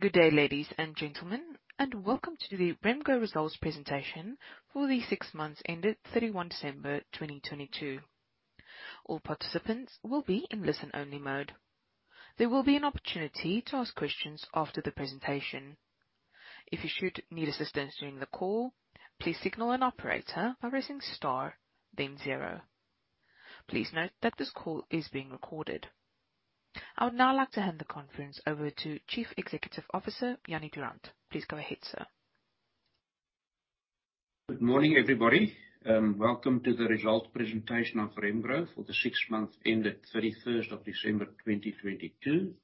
Good day, ladies and gentlemen, and welcome to the Remgro results presentation for the six months ended 31 December 2022. All participants will be in listen-only mode. There will be an opportunity to ask questions after the presentation. If you should need assistance during the call, please signal an operator by pressing star then zero. Please note that this call is being recorded. I would now like to hand the conference over to Chief Executive Officer, Jannie Durand. Please go ahead, sir. Good morning, everybody. Welcome to the result presentation of Remgro for the six months ended 31st of December, 2022.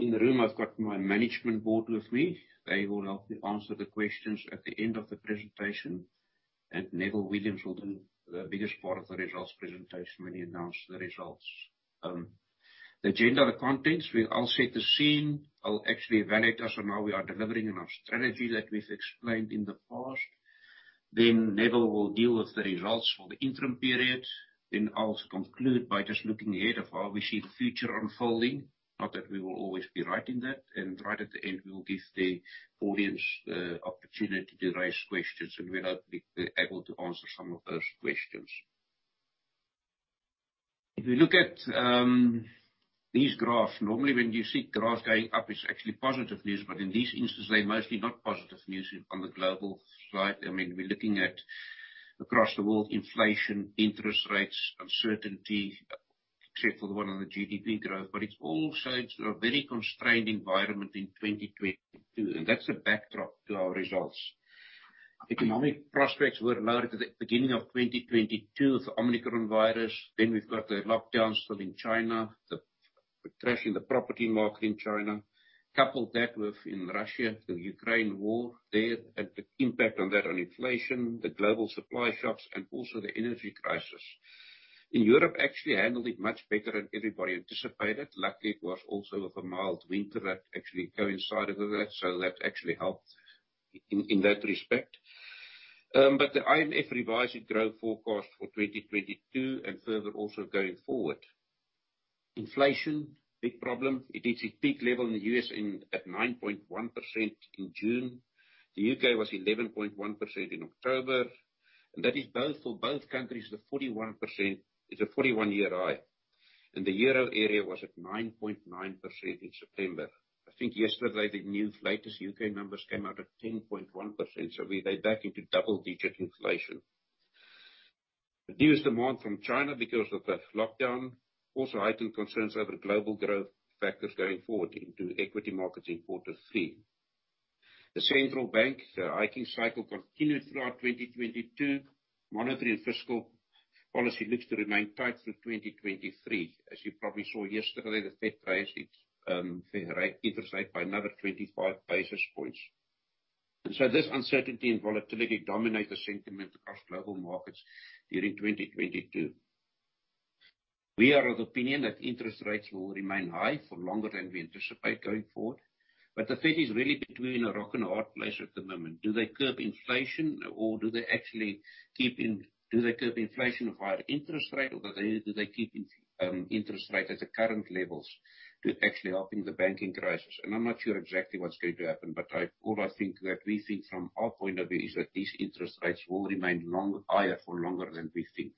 In the room, I've got my management board with me. They will help me answer the questions at the end of the presentation. Neville Williams will do the biggest part of the results presentation when he announce the results. The agenda, the contents, we'll all set the scene. I'll actually evaluate us on how we are delivering on our strategy that we've explained in the past. Neville will deal with the results for the interim period. I'll conclude by just looking ahead of how we see the future unfolding, not that we will always be right in that. Right at the end, we will give the audience the opportunity to raise questions, and we will be able to answer some of those questions. If you look at these graphs, normally when you see graphs going up, it's actually positive news, in these instances, they're mostly not positive news on the global side. I mean, we're looking at across the world, inflation, interest rates, uncertainty, except for the one on the GDP growth. It's all signs of a very constrained environment in 2022, and that's the backdrop to our results. Economic prospects were lowered at the beginning of 2022 with the Omicron virus. We've got the lockdowns still in China, the crash in the property market in China. Couple that with in Russia, the Ukraine war there and the impact on that on inflation, the global supply shocks, and also the energy crisis. Europe actually handled it much better than everybody anticipated. Luckily, it was also of a mild winter that actually coincided with that, so that actually helped in that respect. The IMF revised its growth forecast for 2022 and further also going forward. Inflation, big problem. It is a peak level in the U.S. at 9.1% in June. The U.K. was 11.1% in October. That is for both countries, the 41% is a 41-year high. In the Euro area was at 9.9% in September. I think yesterday the new latest U.K. numbers came out at 10.1%, so they back into double digit inflation. Reduced demand from China because of the lockdown, also heightened concerns over global growth factors going forward into equity markets in quarter three. The central bank, the hiking cycle continued throughout 2022. Monetary and fiscal policy looks to remain tight through 2023. As you probably saw yesterday, the Fed raised its interest rate by another 25 basis points. This uncertainty and volatility dominate the sentiment across global markets during 2022. We are of the opinion that interest rates will remain high for longer than we anticipate going forward. The Fed is really between a rock and a hard place at the moment. Do they curb inflation, or do they actually curb inflation with higher interest rate, or do they keep in interest rate at the current levels to actually helping the banking crisis? I'm not sure exactly what's going to happen. All I think that we think from our point of view is that these interest rates will remain higher for longer than we think.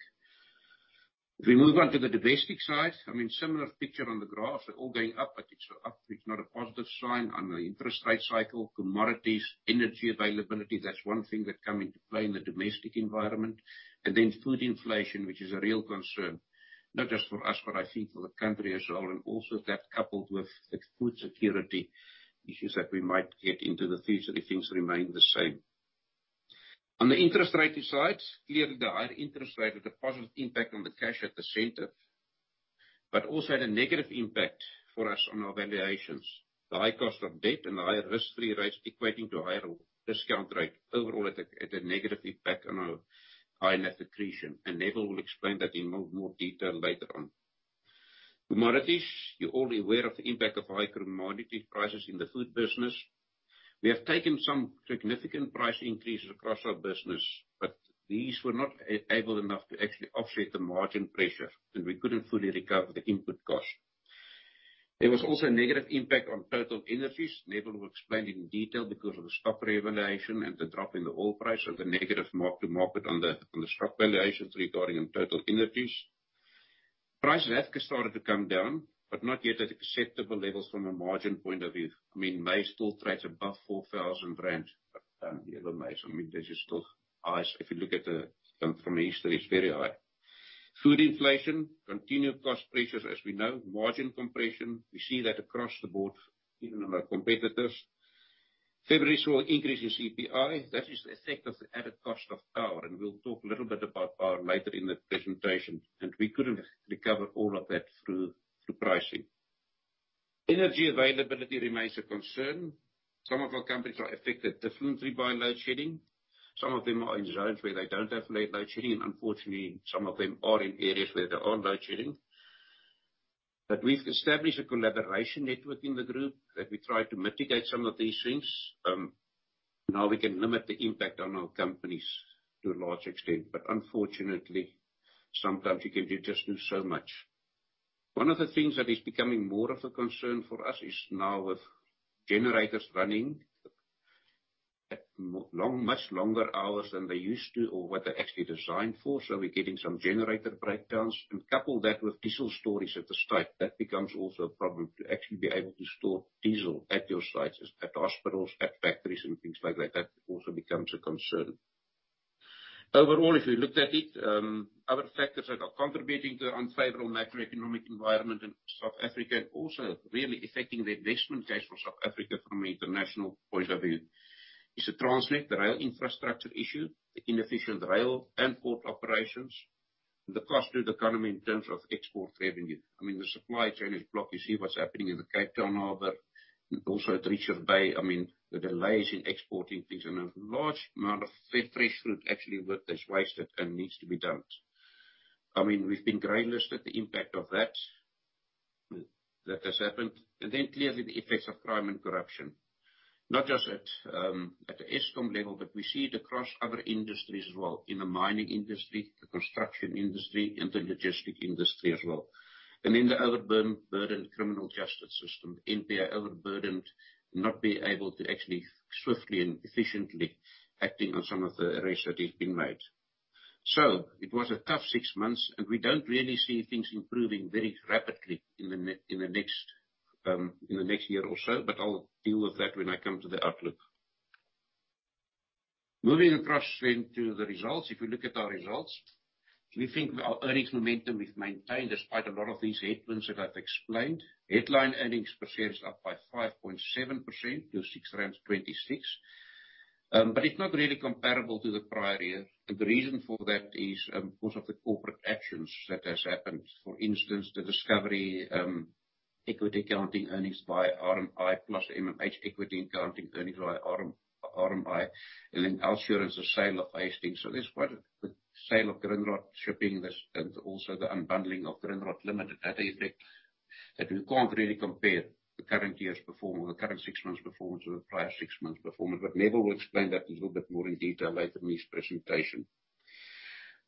If we move on to the domestic side, I mean, similar picture on the graphs. They're all going up, but it's up, it's not a positive sign on the interest rate cycle. Commodities, energy availability, that's one thing that come into play in the domestic environment. Then food inflation, which is a real concern, not just for us, but I think for the country as a whole. Also that coupled with the food security issues that we might get into the future if things remain the same. On the interest rating side, clearly the higher interest rate had a positive impact on the cash at the center, but also had a negative impact for us on our valuations. The high cost of debt and the higher risk-free rates equating to a higher discount rate overall had a negative impact on our high net accretion. Neville will explain that in more detail later on. Commodities, you're all aware of the impact of high commodity prices in the food business. We have taken some significant price increases across our business, but these were not able enough to actually offset the margin pressure, and we couldn't fully recover the input cost. There was also a negative impact on TotalEnergies. Neville will explain it in detail because of the stock revaluation and the drop in the oil price of the negative mark-to-market on the stock valuations regarding in TotalEnergies. Price of Africa started to come down, but not yet at acceptable levels from a margin point of view. I mean, May still trades above 4,000 rand. you know, May, I mean, this is still high. If you look at from history, it's very high. Food inflation, continued cost pressures as we know. Margin compression, we see that across the board even in our competitors. February saw an increase in CPI. That is the effect of the added cost of power. We'll talk a little bit about power later in the presentation. We couldn't recover all of that through pricing. Energy availability remains a concern. Some of our companies are affected differently by load shedding. Some of them are in zones where they don't have load shedding. Unfortunately, some of them are in areas where there are load shedding. We've established a collaboration network in the group that we try to mitigate some of these things. Now we can limit the impact on our companies to a large extent, but unfortunately, sometimes you can just do so much. One of the things that is becoming more of a concern for us is now with generators running at long, much longer hours than they used to or what they're actually designed for. We're getting some generator breakdowns. Couple that with diesel storage at the site, that becomes also a problem, to actually be able to store diesel at your sites, at hospitals, at factories and things like that. That also becomes a concern. If you looked at it, other factors that are contributing to the unfavorable macroeconomic environment in South Africa and also really affecting the investment case for South Africa from an international point of view, is the Transnet, the rail infrastructure issue, the inefficient rail and port operations, and the cost to the economy in terms of export revenue. I mean, the supply chain is blocked. You see what's happening in the Cape Town Harbor, also at Richards Bay. I mean, the delays in exporting things and a large amount of fresh fruit actually that is wasted and needs to be dumped. I mean, we've been grey-listed the impact of that has happened. Clearly the effects of crime and corruption. Not just at the Eskom level, but we see it across other industries as well, in the mining industry, the construction industry, and the logistic industry as well. The overburdened criminal justice system, NPA overburdened, not being able to actually swiftly and efficiently acting on some of the arrests that have been made. It was a tough six months, we don't really see things improving very rapidly in the next year or so, I'll deal with that when I come to the outlook. Moving across to the results. If we look at our results, we think our earnings momentum is maintained despite a lot of these headwinds that I've explained. Headline earnings per share is up by 5.7% to 6.26. It's not really comparable to the prior year. The reason for that is because of the corporate actions that has happened. For instance, the Discovery Equity accounting earnings by RMI, plus MMH equity accounting earnings by RMI, and OUTsurance as a sale of Hastings. The sale of Grindrod Shipping, this, and also the unbundling of Grindrod Limited had an effect that we can't really compare the current year's performance or the current six months performance with the prior six months performance, but Mabel will explain that a little bit more in detail later in this presentation.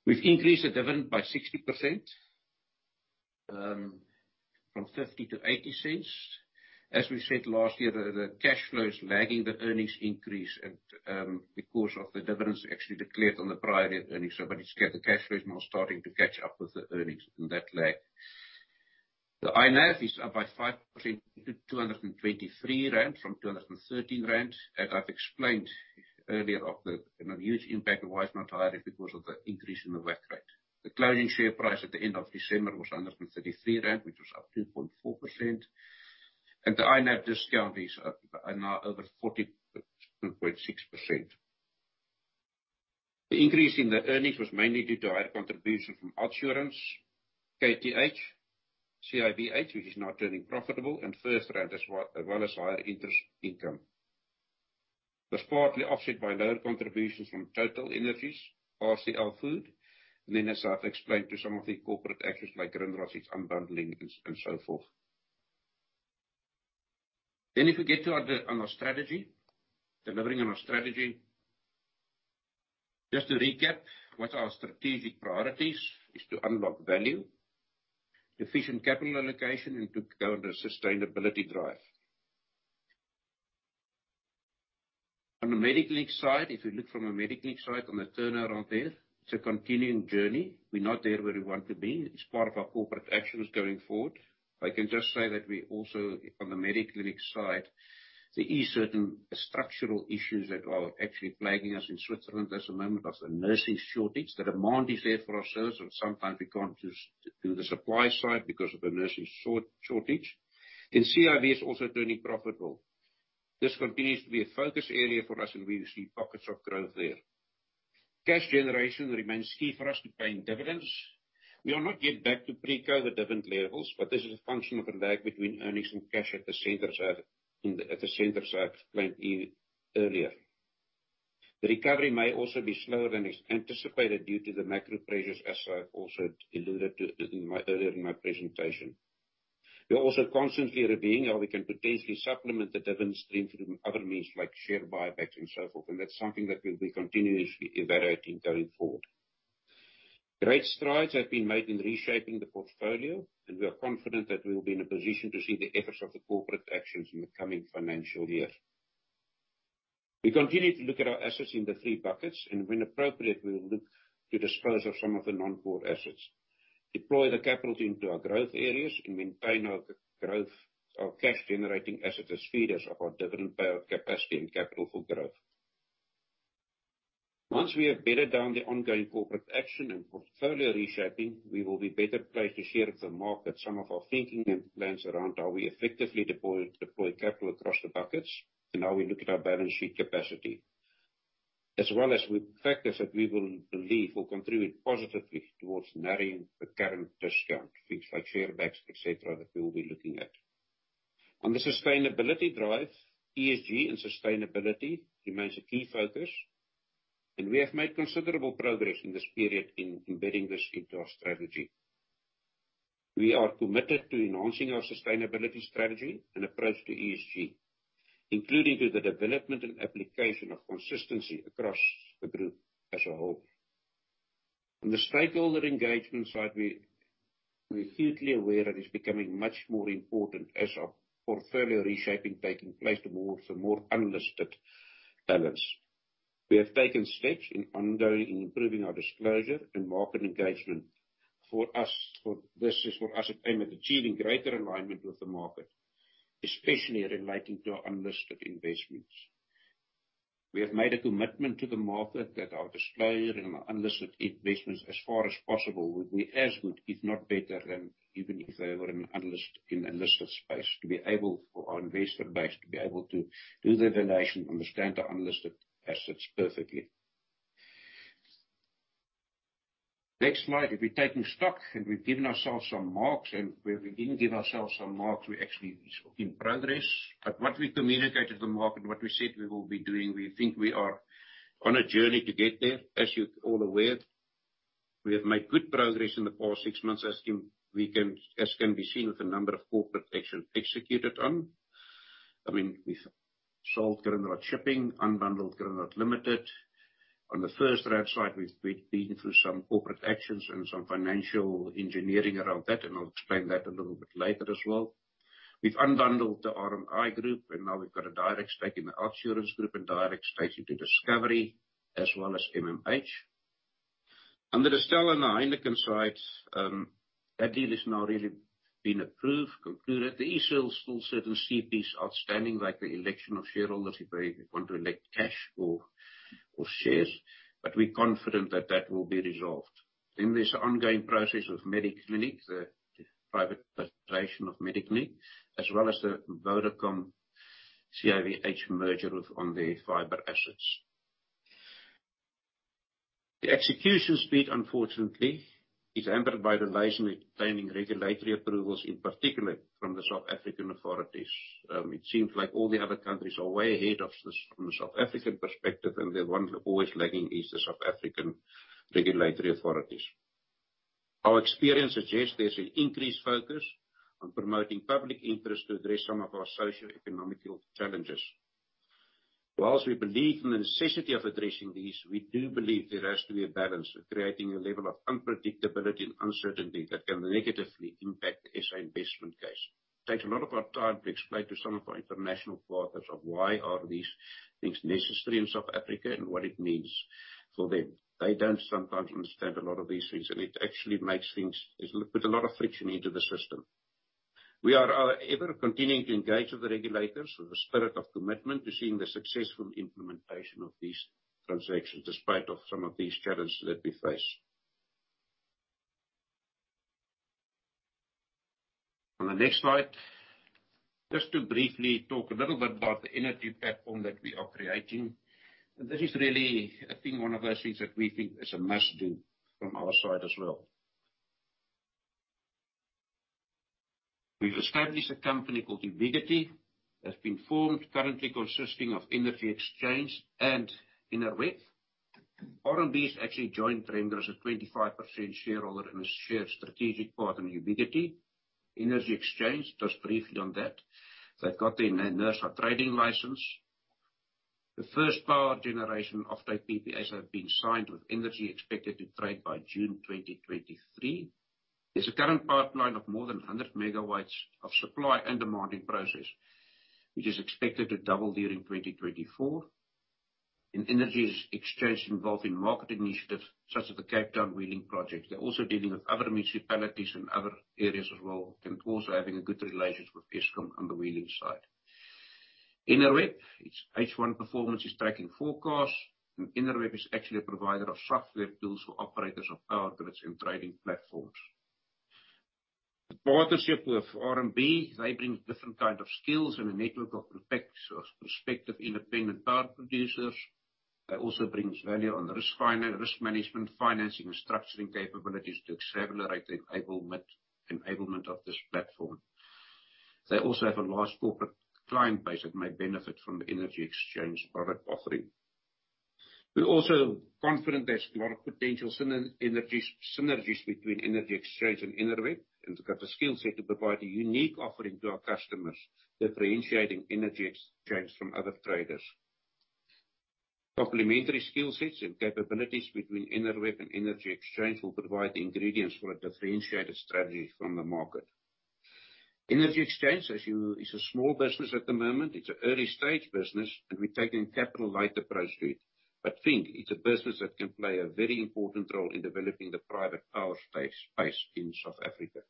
We've increased the dividend by 60%, from 0.50 to 0.80. As we said last year, the cash flow is lagging the earnings increase because of the dividends actually declared on the prior year earnings. The cash flow is now starting to catch up with the earnings and that lag. The INAV is up by 5% to 223 rand, from 213 rand. I've explained earlier of the, you know, huge impact of why it's not higher is because of the increase in the VAT rate. The closing share price at the end of December was ZAR 133, which was up 2.4%. The INAV discount is up now over 40.6%. The increase in the earnings was mainly due to higher contribution from OUTsurance, KTH, CIVH, which is now turning profitable, and FirstRand as well as higher interest income. This partly offset by lower contributions from TotalEnergies, RCL Foods, as I've explained to some of the corporate actions like Grindrod's unbundling and so forth. If we get to our on our strategy, delivering on our strategy. Just to recap what our strategic priority is to unlock value, efficient capital allocation, and to go on a sustainability drive. On the Mediclinic side, if you look on the turnaround there, it's a continuing journey. We're not there where we want to be. It's part of our corporate actions going forward. I can just say that we also, on the Mediclinic side, there is certain structural issues that are actually plaguing us in Switzerland at this moment. There's a nursing shortage. The demand is there for our service, but sometimes we can't just do the supply side because of the nursing shortage. CIVH is also turning profitable. This continues to be a focus area for us, and we see pockets of growth there. Cash generation remains key for us to pay in dividends. We are not yet back to pre-COVID dividend levels, but this is a function of the lag between earnings and cash at the center, I've explained earlier. The recovery may also be slower than is anticipated due to the macro pressures, as I've also alluded to earlier in my presentation. We are also constantly reviewing how we can potentially supplement the dividend stream through other means like share buybacks and so forth. That's something that we'll be continuously evaluating going forward. Great strides have been made in reshaping the portfolio. We are confident that we will be in a position to see the efforts of the corporate actions in the coming financial year. We continue to look at our assets in the three buckets. When appropriate, we will look to dispose of some of the non-core assets, deploy the capital into our growth areas, and maintain our cash-generating assets as feeders of our dividend payout capacity and capital for growth. Once we have bedded down the ongoing corporate action and portfolio reshaping, we will be better placed to share with the market some of our thinking and plans around how we effectively deploy capital across the buckets and how we look at our balance sheet capacity. As well as with factors that we will believe will contribute positively towards narrowing the current discount, things like share backs, et cetera, that we will be looking at. On the sustainability drive, ESG and sustainability remains a key focus, and we have made considerable progress in this period in embedding this into our strategy. We are committed to enhancing our sustainability strategy and approach to ESG, including through the development and application of consistency across the group as a whole. On the stakeholder engagement side, we're acutely aware that it's becoming much more important as our portfolio reshaping taking place towards a more unlisted balance. We have taken steps in ongoing improving our disclosure and market engagement. This is for us, aimed at achieving greater alignment with the market, especially relating to our unlisted investments. We have made a commitment to the market that our disclosure in our unlisted investments, as far as possible, will be as good, if not better than even if they were in a listed space, for our investor base to be able to do their valuation, understand our unlisted assets perfectly. Next slide. If we're taking stock, and we've given ourselves some marks, and where we didn't give ourselves some marks, we actually is in progress. What we communicated to the market, what we said we will be doing, we think we are on a journey to get there. As you're all aware, we have made good progress in the past six months as can be seen with a number of corporate action executed on. I mean, we've sold Grindrod Shipping, unbundled Grindrod Limited. On the FirstRand side, we've been through some corporate actions and some financial engineering around that, and I'll explain that a little bit later as well. We've unbundled the RMI group, and now we've got a direct stake in the OUTsurance Group and direct stake into Discovery, as well as MMH. Under the Distell and the Heineken sides, that deal has now really been approved, concluded. There is still certain CPs outstanding, like the election of shareholders if they want to elect cash or shares, but we're confident that that will be resolved. There's the ongoing process of Mediclinic, the privatization of Mediclinic, as well as the Vodacom CIVH merger on their fiber assets. The execution speed, unfortunately, is hampered by delays in obtaining regulatory approvals, in particular from the South African authorities. It seems like all the other countries are way ahead of this from the South African perspective, and the one always lagging is the South African regulatory authorities. Our experience suggests there's an increased focus on promoting public interest to address some of our socioeconomical challenges. Whilst we believe in the necessity of addressing these, we do believe there has to be a balance of creating a level of unpredictability and uncertainty that can negatively impact the SA investment case. Takes a lot of our time to explain to some of our international partners of why are these things necessary in South Africa and what it means for them. They don't sometimes understand a lot of these things, it actually it's put a lot of friction into the system. We are ever continuing to engage with the regulators with a spirit of commitment to seeing the successful implementation of these transactions, despite of some of these challenges that we face. On the next slide, just to briefly talk a little bit about the energy platform that we are creating. This is really, I think, one of those things that we think is a must-do from our side as well. We've established a company called Ubiquity, that's been formed, currently consisting of Energy Exchange and Enerweb. RMB has actually joined Remgro as a 25% shareholder and a shared strategic partner in Ubiquity. Energy Exchange, just briefly on that, they've got their NERSA trading license. The first power generation of their PPAs have been signed, with energy expected to trade by June 2023. There's a current pipeline of more than 100 MW of supply under marketing process, which is expected to double during 2024. Energy Exchange is involved in market initiatives, such as the Cape Town wheeling project. They're also dealing with other municipalities in other areas as well, and also having a good relations with Eskom on the wheeling side. Enerweb, its H1 performance is tracking forecast. Enerweb is actually a provider of software tools for operators of power grids and trading platforms. The partnership with RMB, they bring different kind of skills and a network of prospective independent power producers. That also brings value on risk management, financing, and structuring capabilities to accelerate the enablement of this platform. They also have a large corporate client base that may benefit from the Energy Exchange product offering. We're also confident there's a lot of potential synergies between Energy Exchange and Enerweb, and we've got the skill set to provide a unique offering to our customers, differentiating Energy Exchange from other traders. Complementary skill sets and capabilities between Enerweb and Energy Exchange will provide the ingredients for a differentiated strategy from the market. Energy Exchange, as you is a small business at the moment. It's an early-stage business. We're taking a capital-light approach to it. Think, it's a business that can play a very important role in developing the private power space in South Africa.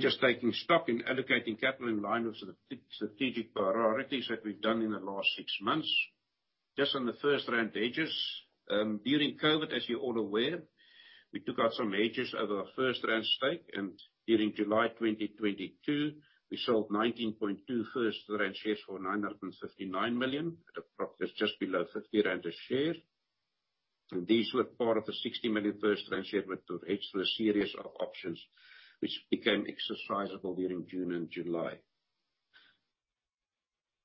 Just taking stock and allocating capital in line with the strategic priorities that we've done in the last six months. Just on the FirstRand hedges, during COVID, as you're all aware, we took out some hedges over our FirstRand stake, and during July 2022, we sold 19.2 FirstRand shares for 959 million at a price that's just below 50 rand a share. These were part of the 60 million FirstRand share with hedges through a series of options which became exercisable during June and July.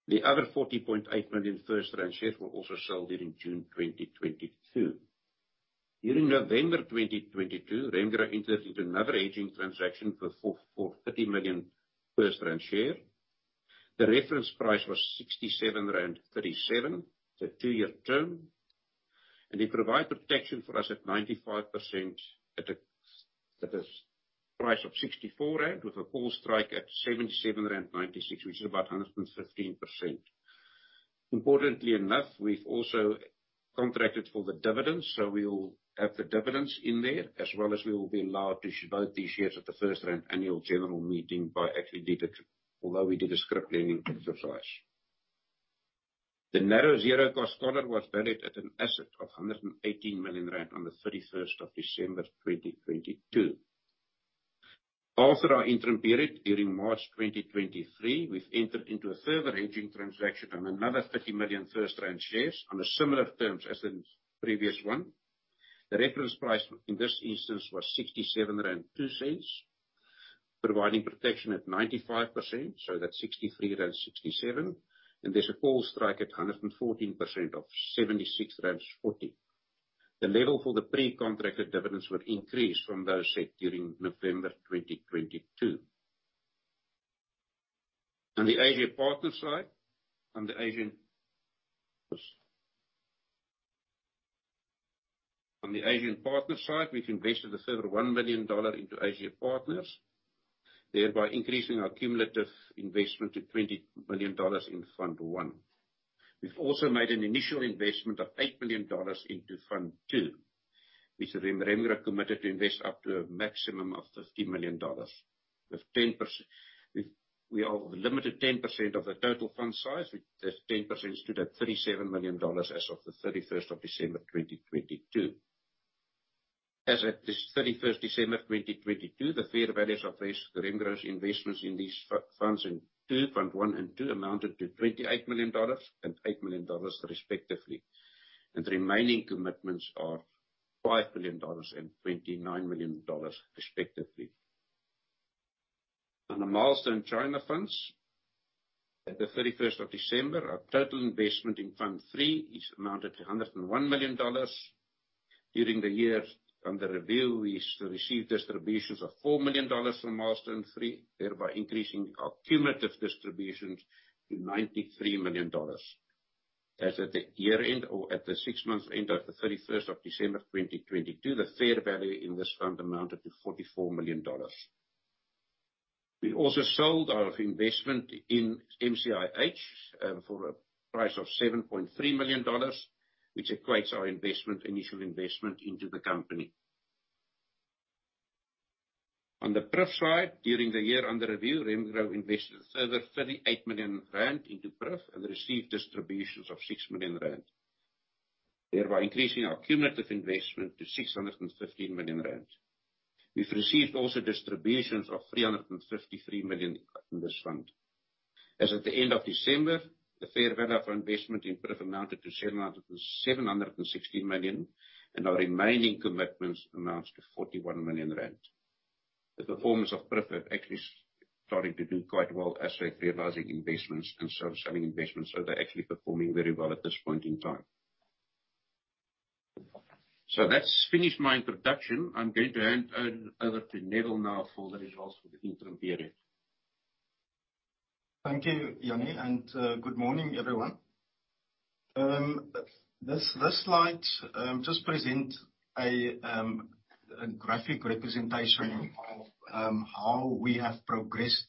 The other 40.8 million FirstRand shares were also sold during June 2022. During November 2022, Remgro entered into another hedging transaction for 30 million FirstRand share. The reference price was 67.37, it's a two-year term, it provide protection for us at 95% at a price of 64 rand, with a call strike at 77.96 rand, which is about 115%. Importantly enough, we've also contracted for the dividends, we will have the dividends in there, as well as we will be allowed to vote these shares at the FirstRand annual general meeting by actually, although we did a scrip lending exercise. The narrow zero cost collar was valued at an asset of 118 million rand on the 31st of December 2022. After our interim period during March 2023, we've entered into a further hedging transaction on another 30 million FirstRand shares on the similar terms as the previous one. The reference price in this instance was 67.02 rand, providing protection at 95%, that's 63.67 rand, and there's a call strike at 114% of 76.40 rand. The level for the pre-contracted dividends would increase from those set during November 2022. On the Asia Partners side, on the Asia Partners side, we've invested a further $1 million into Asia Partners, thereby increasing our cumulative investment to $20 million in Fund I. We've also made an initial investment of $8 million into Fund II, which Remgro committed to invest up to a maximum of $15 million. With 10% We are limited 10% of the total fund size, which that 10% stood at $37 million as of the 31st of December 2022. As at this 31st December 2022, the fair values of these Remgro's investments in these funds, in two, Fund I and II, amounted to $28 million and $8 million, respectively. The remaining commitments are $5 million and $29 million, respectively. On the Milestone China Funds, at the 31st of December, our total investment in Fund III is amounted to $101 million. During the year, on the review, we received distributions of $4 million from Milestone III, thereby increasing our cumulative distributions to $93 million. As at the year end or at the six months end of the 31st of December 2022, the fair value in this fund amounted to $44 million. We also sold our investment in MCIH for a price of $7.3 million, which equates our investment, initial investment into the company. On the PRIF side, during the year under review, Remgro invested a further 38 million rand into PRIF and received distributions of 6 million rand, thereby increasing our cumulative investment to 615 million rand. We've received also distributions of 353 million in this fund. As at the end of December, the fair value of our investment in PRIF amounted to 760 million, and our remaining commitments amounts to 41 million rand. The performance of PRIF have actually started to do quite well as they're realizing investments and selling investments, so they're actually performing very well at this point in time. That's finished my introduction. I'm going to hand over to Neville now for the results for the interim period. Thank you, Jannie, good morning, everyone. This slide just present a graphic representation of how we have progressed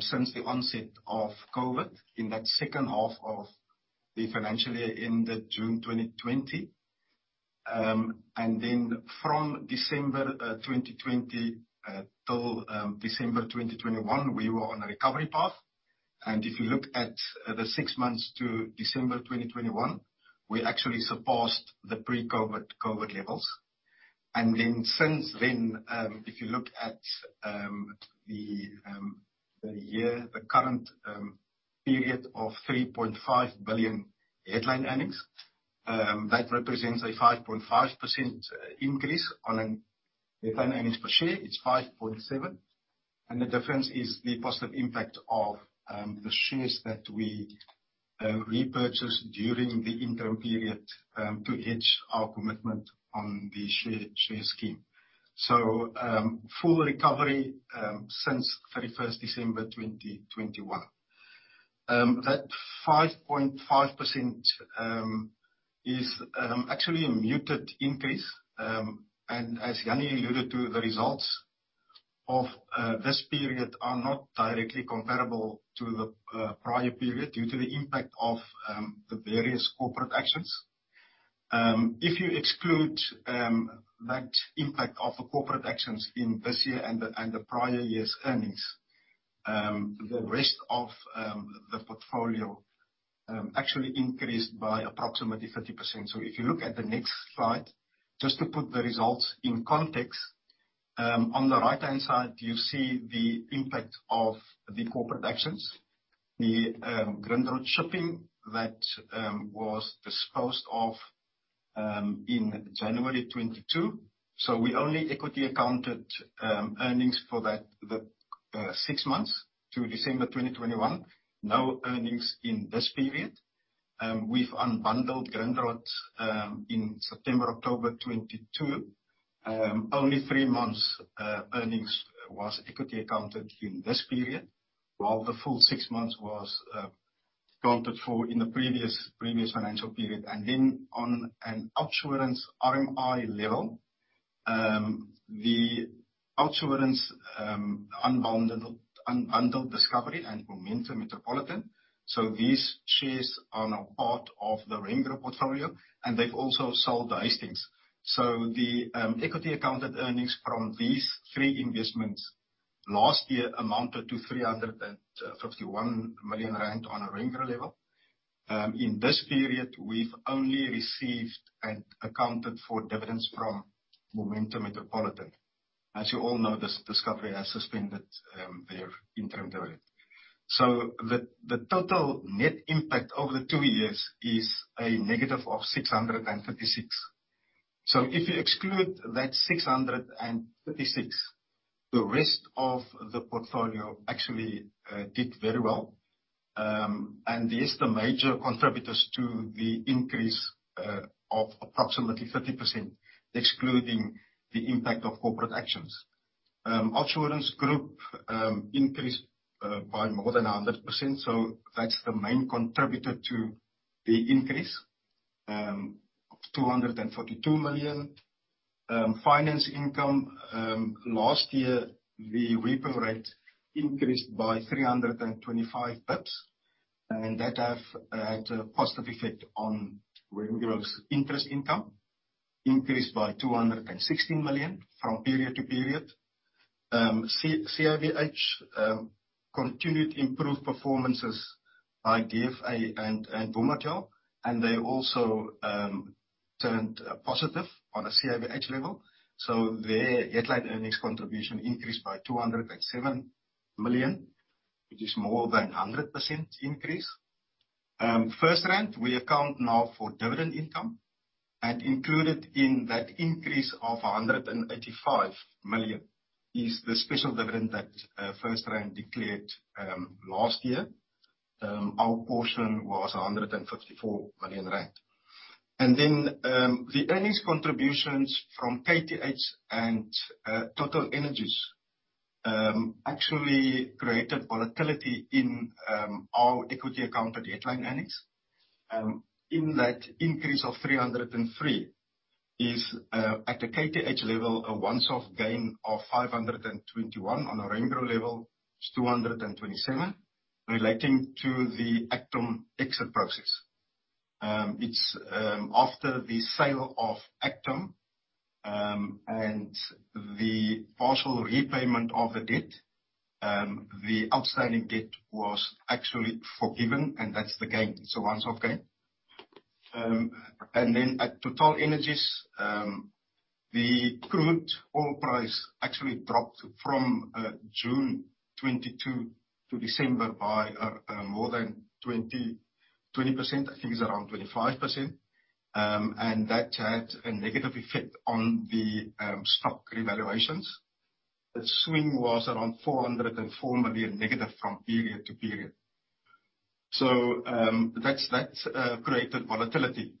since the onset of COVID in that second half of the financial year ended June 2020. From December 2020 till December 2021, we were on a recovery path. If you look at the six months to December 2021, we actually surpassed the pre-COVID levels. Since then, if you look at the year, the current period of 3.5 billion headline earnings, that represents a 5.5% increase on an headline earnings per share. It's 5.7%. The difference is the positive impact of the shares that we repurchased during the interim period to hedge our commitment on the share scheme. Full recovery since 31st December 2021. That 5.5% is actually a muted increase. As Jannie alluded to, the results of this period are not directly comparable to the prior period due to the impact of the various corporate actions. If you exclude that impact of the corporate actions in this year and the prior year's earnings, the rest of the portfolio actually increased by approximately 30%. If you look at the next slide, just to put the results in context, on the right-hand side, you see the impact of the corporate actions. The Grindrod Shipping that was disposed of in January 2022. We only equity accounted earnings for the six months to December 2021. No earnings in this period. We've unbundled Grindrod in September, October 2022. Only three months earnings was equity accounted in this period, while the full six months was accounted for in the previous financial period. On an OUTsurance RMI level, the OUTsurance unbundled Discovery and Momentum Metropolitan. These shares are now part of the Remgro portfolio, and they've also sold Hastings. The equity accounted earnings from these three investments last year amounted to 351 million rand on a Remgro level. In this period, we've only received and accounted for dividends from Momentum Metropolitan. As you all know, Discovery has suspended their interim dividend. The total net impact over the two years is a negative of 636 million. If you exclude that 636 million, the rest of the portfolio actually did very well. These the major contributors to the increase of approximately 30%, excluding the impact of corporate actions. OUTsurance Group increased by more than 100%. That's the main contributor to the increase of 242 million. Finance income, last year, the repo rate increased by 325 basis points, and that have had a positive effect on Remgro's interest income, increased by 260 million from period to period. CIVH continued improved performances by DFA and Vumatel, and they also turned positive on a CIVH level. Their headline earnings contribution increased by 207 million, which is more than 100% increase. FirstRand, we account now for dividend income. Included in that increase of 185 million is the special dividend that FirstRand declared last year. Our portion was 154 million rand. The earnings contributions from KTH and TotalEnergies actually created volatility in our equity accounted headline earnings. In that increase of 303 is at a KTH level, a once-off gain of 521. On a Remgro level, it's 227 relating to the Actom exit process. It's after the sale of Actom, and the partial repayment of the debt, the outstanding debt was actually forgiven, and that's the gain. It's a once-off gain. At TotalEnergies, the crude oil price actually dropped from June 2022 to December by more than 20%. I think it's around 25%. That had a negative effect on the stock revaluations. The swing was around 404 million negative from period to period. That's created volatility.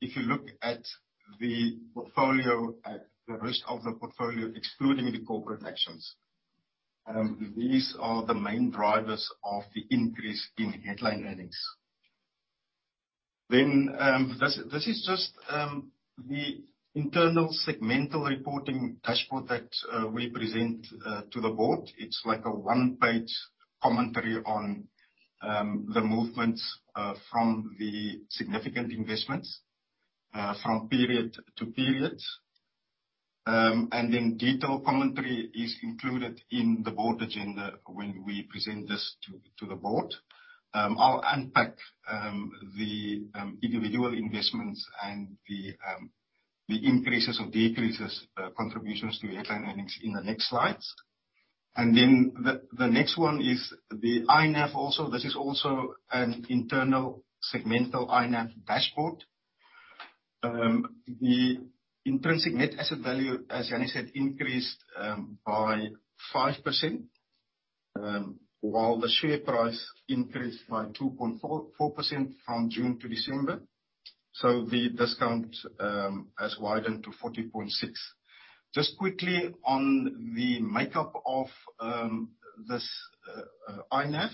If you look at the portfolio, at the rest of the portfolio, excluding the corporate actions, these are the main drivers of the increase in headline earnings. This is just the internal segmental reporting dashboard that we present to the board. It's like a one-page commentary on the movements from the significant investments from period to period. Detailed commentary is included in the board agenda when we present this to the board. I'll unpack the individual investments and the increases or decreases contributions to headline earnings in the next slides. The next one is the INAV also. This is also an internal segmental INAV dashboard. The intrinsic net asset value, as Jannie said, increased by 5%, while the share price increased by 2.44% from June to December. The discount has widened to 40.6%. Just quickly on the makeup of this INAV.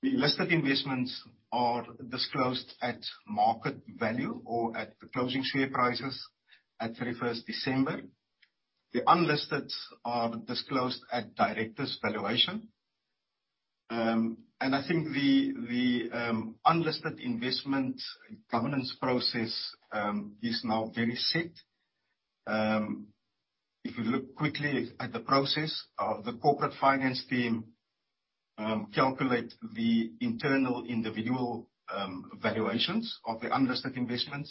The listed investments are disclosed at market value or at the closing share prices at 31st December. The unlisted are disclosed at directors' valuation. I think the unlisted investment governance process is now very set. If you look quickly at the process of the corporate finance team, calculate the internal individual valuations of the unlisted investments.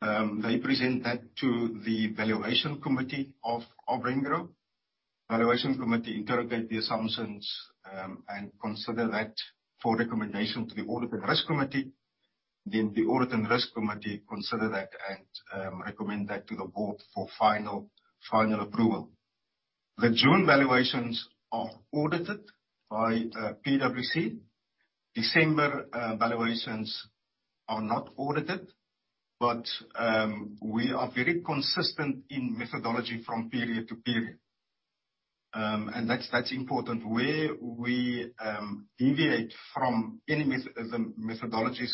They present that to the valuation committee of Remgro Valuation Committee interrogate the assumptions, and consider that for recommendation to the Audit and Risk Committee. The Audit and Risk Committee consider that and recommend that to the board for final approval. The June valuations are audited by PwC. December valuations are not audited, we are very consistent in methodology from period to period. That's important. Where we deviate from any methodologies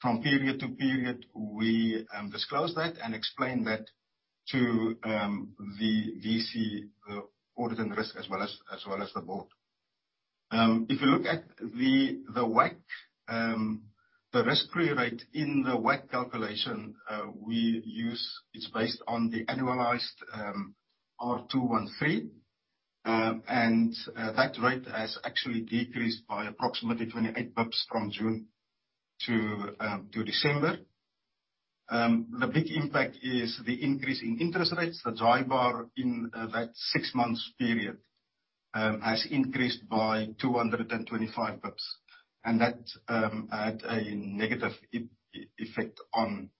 from period to period, we disclose that and explain that to the VC, Audit and Risk, as well as the board. If you look at the WACC, the risk-free rate in the WACC calculation, we use. It's based on the annualized R213. That rate has actually decreased by approximately 28 basis points from June to December. The big impact is the increase in interest rates. The JIBAR in that six months period has increased by 225 basis points. That had a negative effect on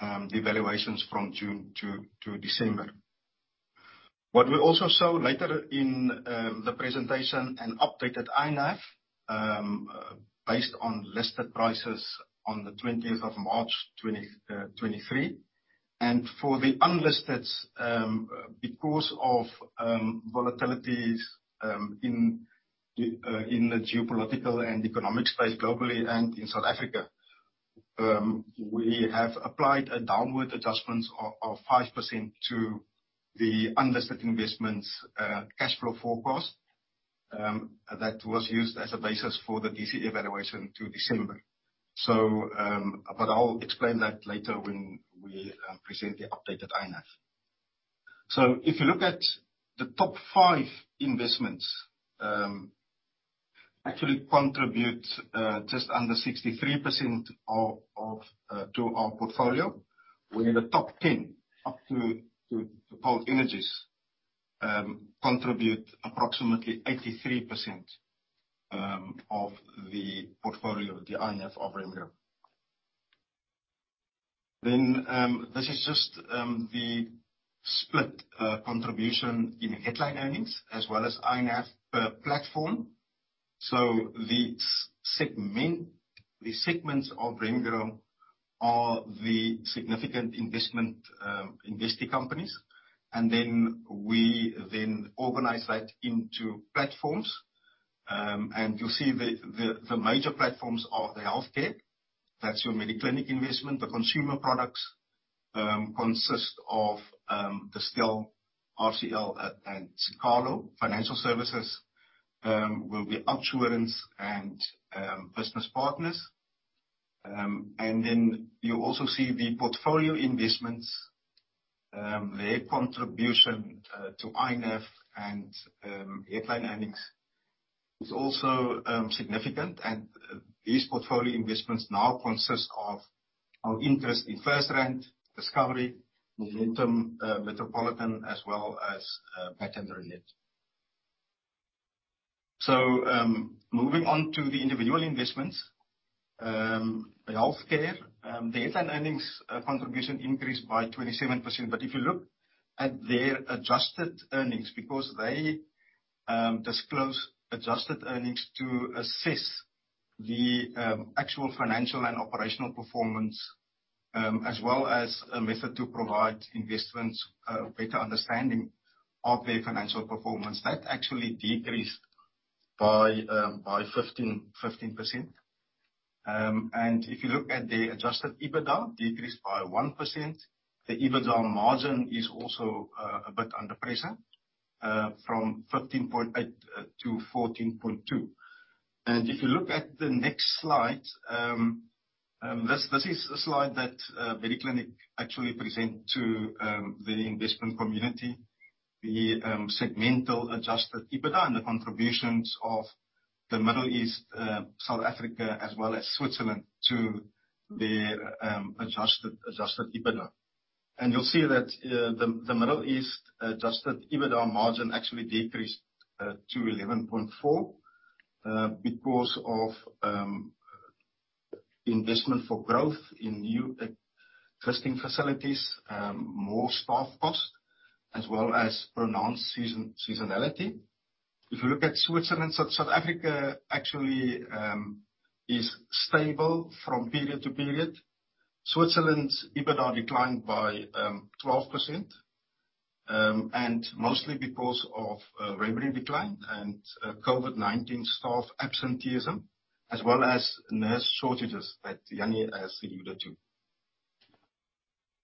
the valuations from June to December. What we'll also show later in the presentation, an updated INAV, based on listed prices on the 20th of March 2023. For the unlisted, because of volatilities in the geopolitical and economic space globally and in South Africa, we have applied a downward adjustment of 5% to the unlisted investments cash flow forecast that was used as a basis for the DCF evaluation to December. I'll explain that later when we present the updated INAV. If you look at the top five investments, actually contribute just under 63% to our portfolio. Within the top 10, up to TotalEnergies, contribute approximately 83% of the portfolio, the INAV of Remgro. This is just the split contribution in headline earnings, as well as INAV per platform. The segments of Remgro are the significant investment investee companies. We then organize that into platforms. You'll see the major platforms are the healthcare. That's your Mediclinic investment. The consumer products consist of the Distell, RCL, and Siqalo. Financial services will be OUTsurance and Business Partners. You also see the portfolio investments. Their contribution to INAV and headline earnings is also significant. These portfolio investments now consist of our interest in FirstRand, Discovery, Momentum Metropolitan, as well as Patria-related. Moving on to the individual investments. The healthcare headline earnings contribution increased by 27%. If you look at their adjusted earnings, because they disclose adjusted earnings to assess the actual financial and operational performance, as well as a method to provide investments a better understanding of their financial performance. That actually decreased by 15%. If you look at the adjusted EBITDA, decreased by 1%. The EBITDA margin is also a bit under pressure, from 15.8 to 14.2. If you look at the next slide, this is a slide that Mediclinic actually present to the investment community. The segmental adjusted EBITDA and the contributions of the Middle East, South Africa, as well as Switzerland to their adjusted EBITDA. You'll see that the Middle East adjusted EBITDA margin actually decreased to 11.4 because of investment for growth in new existing facilities, more staff costs, as well as pronounced seasonality. If you look at Switzerland, South Africa actually is stable from period to period. Switzerland's EBITDA declined by 12% and mostly because of revenue decline and COVID-19 staff absenteeism, as well as nurse shortages that Jannie has alluded to.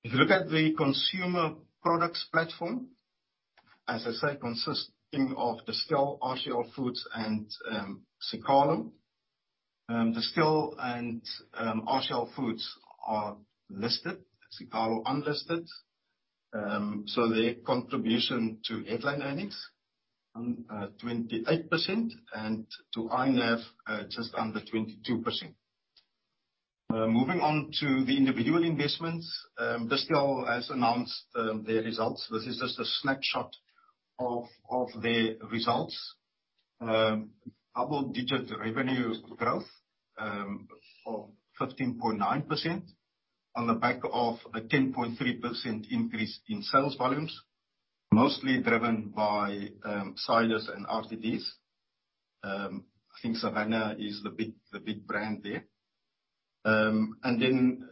If you look at the consumer products platform, as I said, consisting of Distell, RCL Foods and Siqalo. Distell and RCL Foods are listed, Siqalo unlisted. Their contribution to headline earnings 28%, and to INAV just under 22%. Moving on to the individual investments, Distell has announced their results. This is just a snapshot of their results. Double-digit revenue growth of 15.9% on the back of a 10.3% increase in sales volumes, mostly driven by ciders and RTDs. I think Savannah is the big brand there. Then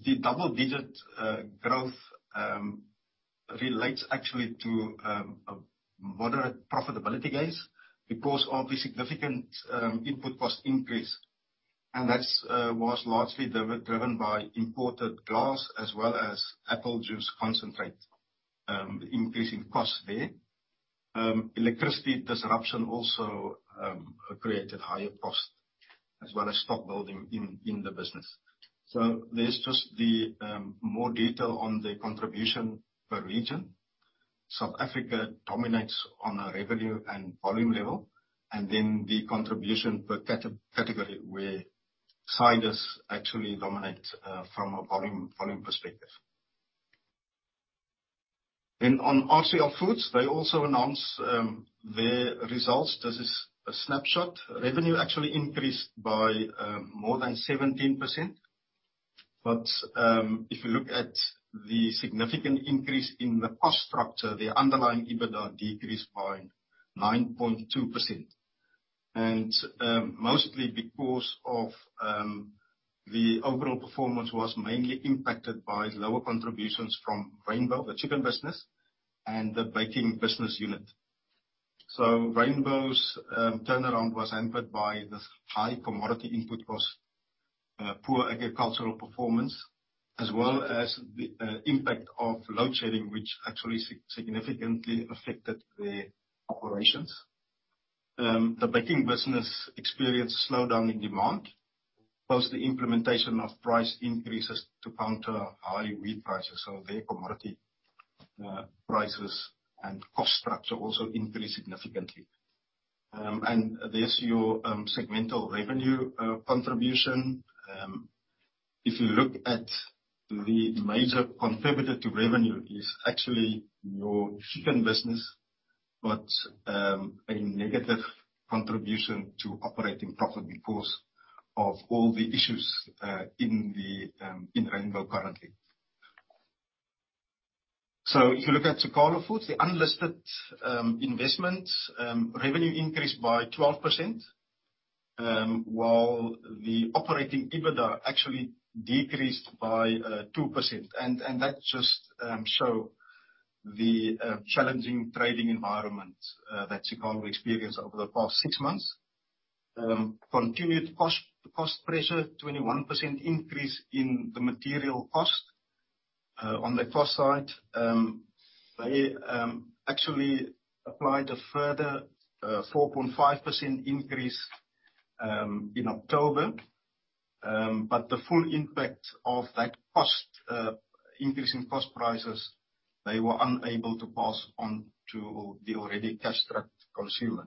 the double-digit growth relates actually to a moderate profitability gains because of the significant input cost increase. That's was largely driven by imported glass as well as apple juice concentrate, increasing costs there. Electricity disruption also created higher costs, as well as stock building in the business. There's just the more detail on the contribution per region. South Africa dominates on a revenue and volume level, and then the contribution per category where ciders actually dominate from a volume perspective. On RCL Foods, they also announced their results. This is a snapshot. Revenue actually increased by more than 17%. If you look at the significant increase in the cost structure, the underlying EBITDA decreased by 9.2%. Mostly because of, the overall performance was mainly impacted by lower contributions from Rainbow, the chicken business, and the baking business unit. Rainbow's turnaround was hampered by this high commodity input cost, poor agricultural performance, as well as the impact of load shedding, which actually significantly affected their operations. The baking business experienced slowdown in demand, plus the implementation of price increases to counter higher wheat prices. Their commodity prices and cost structure also increased significantly. There's your segmental revenue contribution. If you look at the major contributor to revenue is actually your chicken business, but a negative contribution to operating profit because of all the issues in Rainbow currently. If you look at Siqalo Foods, the unlisted investment, revenue increased by 12%, while the operating EBITDA actually decreased by 2%. That just show the challenging trading environment that Siqalo experienced over the past six months. Continued cost pressure, 21% increase in the material cost. On the cost side, they actually applied a further 4.5% increase in October. The full impact of that cost increase in cost prices, they were unable to pass on to the already cash-strapped consumer.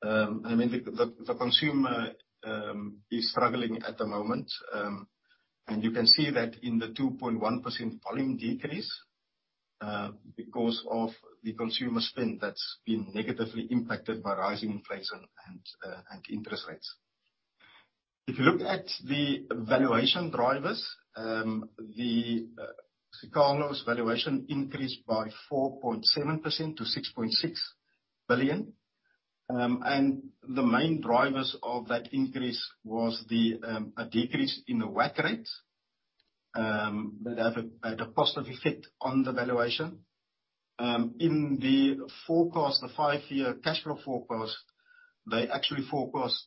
The consumer is struggling at the moment. You can see that in the 2.1% volume decrease because of the consumer spend that's been negatively impacted by rising inflation and interest rates. If you look at the valuation drivers, the Siqalo's valuation increased by 4.7% to 6.6 billion. The main drivers of that increase was the decrease in the WACC rate that had a positive effect on the valuation. In the forecast, the five-year cash flow forecast, they actually forecast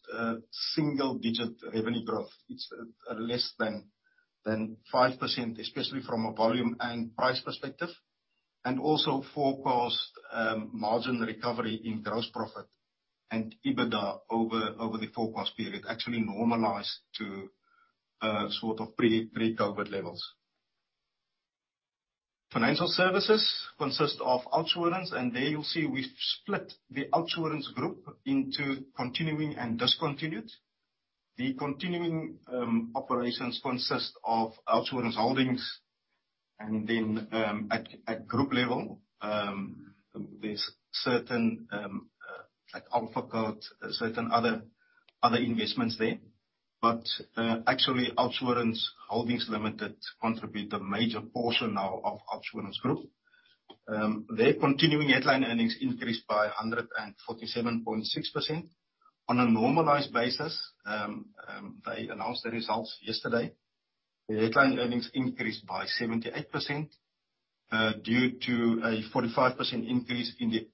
single-digit revenue growth. It's less than 5%, especially from a volume and price perspective, and also forecast margin recovery in gross profit and EBITDA over the forecast period, actually normalized to sort of pre-COVID levels. Financial services consist of OUTsurance, there you'll see we've split the OUTsurance Group into continuing and discontinued. The continuing operations consist of OUTsurance Holdings and then at group level there's certain like AlphaCode, certain other investments there. Actually OUTsurance Holdings Limited contribute a major portion now of OUTsurance Group. Their continuing headline earnings increased by 147.6%. On a normalized basis, they announced the results yesterday. The headline earnings increased by 78% due to a 45% increase in the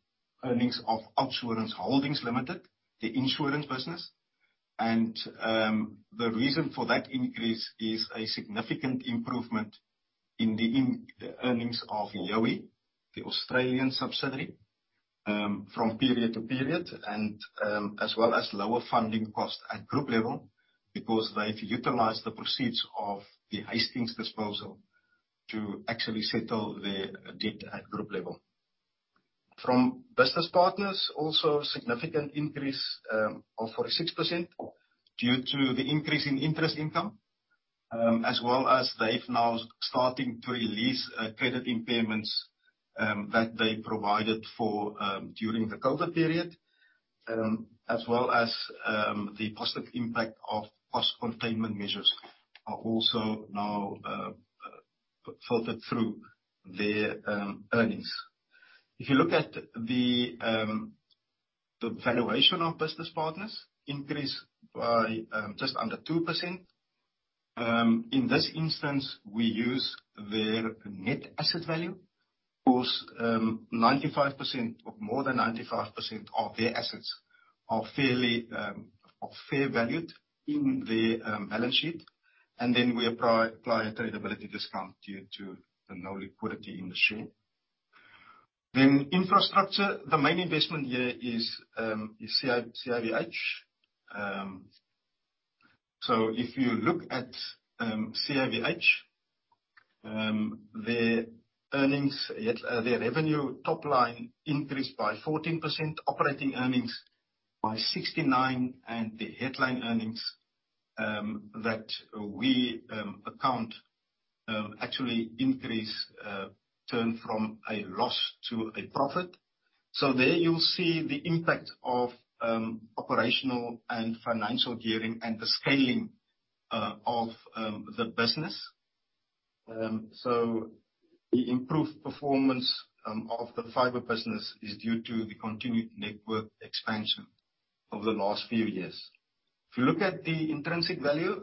earnings of OUTsurance Holdings Limited, the insurance business. The reason for that increase is a significant improvement in the earnings of Youi, the Australian subsidiary, from period to period as well as lower funding costs at group level because they've utilized the proceeds of the Hastings disposal to actually settle their debt at group level. Business Partners, also significant increase of 46% due to the increase in interest income, as well as they've now starting to release credit impairments that they provided for during the COVID period. As well as the positive impact of cost containment measures are also now filtered through their earnings. If you look at the valuation of Business Partners increased by just under 2%. In this instance, we use their net asset value. Of course, 95% or more than 95% of their assets are fair valued in their balance sheet. We apply a tradability discount due to the no liquidity in the share. Infrastructure, the main investment here is CIVH. If you look at CIVH, their earnings, their revenue top line increased by 14%, operating earnings by 69, and the headline earnings that we account actually increased, turned from a loss to a profit. There you'll see the impact of operational and financial gearing and the scaling of the business. The improved performance of the fiber business is due to the continued network expansion over the last few years. If you look at the intrinsic value,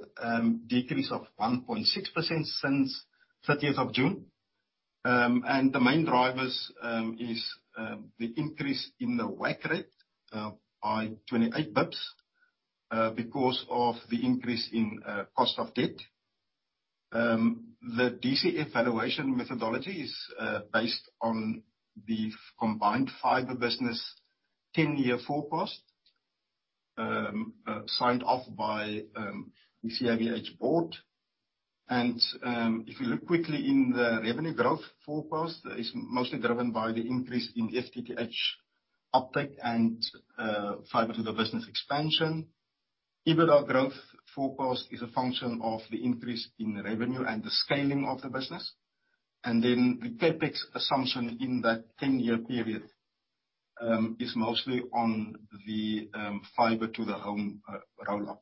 decrease of 1.6% since 30th of June. The main drivers is the increase in the WACC rate by 28 basis points because of the increase in cost of debt. The DCF valuation methodology is based on the combined fiber business 10-year forecast signed off by the CIVH board. If you look quickly in the revenue growth forecast, that is mostly driven by the increase in FTTH uptake and fiber to the business expansion. EBITDA growth forecast is a function of the increase in revenue and the scaling of the business. The CapEx assumption in that 10-year period is mostly on the fiber to the home rollout.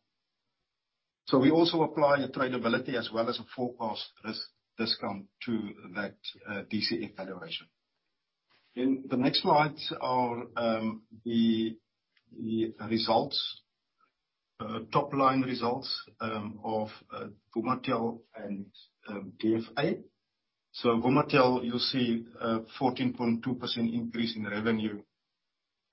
We also apply a tradability as well as a forecast risk-discount to that DCF valuation. The next slides are the results, top line results of Vumatel and DFA. Vumatel, you'll see 14.2% increase in revenue,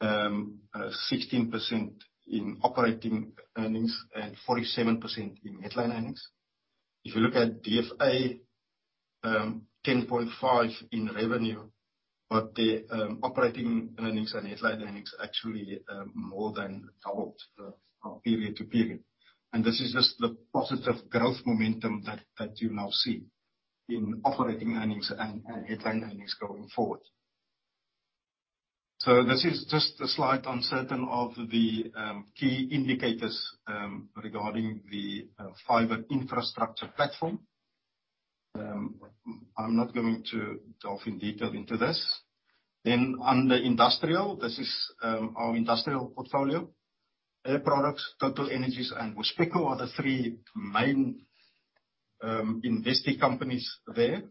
16% in operating earnings and 47% in headline earnings. If you look at DFA, 10.5 in revenue, but their operating earnings and headline earnings actually more than doubled period to period. This is just the positive growth momentum that you now see in operating earnings and headline earnings going forward. This is just a slight uncertain of the key indicators regarding the fiber infrastructure platform. I'm not going to delve in detail into this. Under industrial, this is our industrial portfolio. Air Products, TotalEnergies, and Wispeco are the three main invested companies there.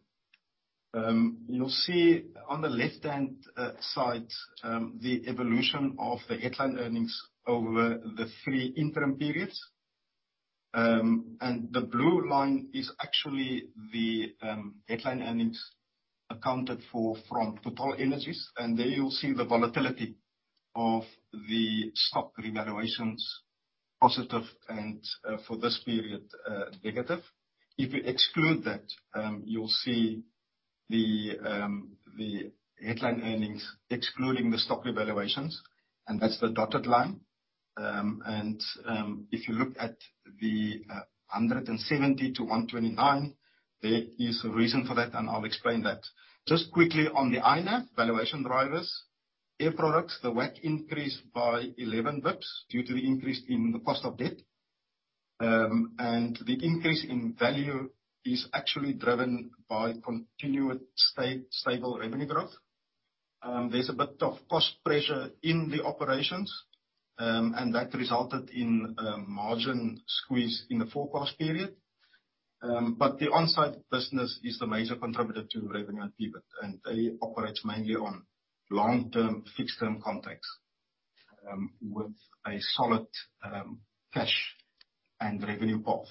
You'll see on the left-hand side the evolution of the headline earnings over the three interim periods. The blue line is actually the headline earnings accounted for from TotalEnergies, and there you'll see the volatility of the stock revaluations, positive and for this period negative. If you exclude that, you'll see the headline earnings excluding the stock revaluations, and that's the dotted line. If you look at the 170 to 129, there is a reason for that, and I'll explain that. Just quickly on the INAV valuation drivers, Air Products, the WACC increased by 11 basis points due to the increase in the cost of debt. The increase in value is actually driven by continued stable revenue growth. There's a bit of cost pressure in the operations, and that resulted in a margin squeeze in the forecast period. The on-site business is the major contributor to revenue and EBIT, and it operates mainly on long-term, fixed-term contracts, with a solid cash and revenue path.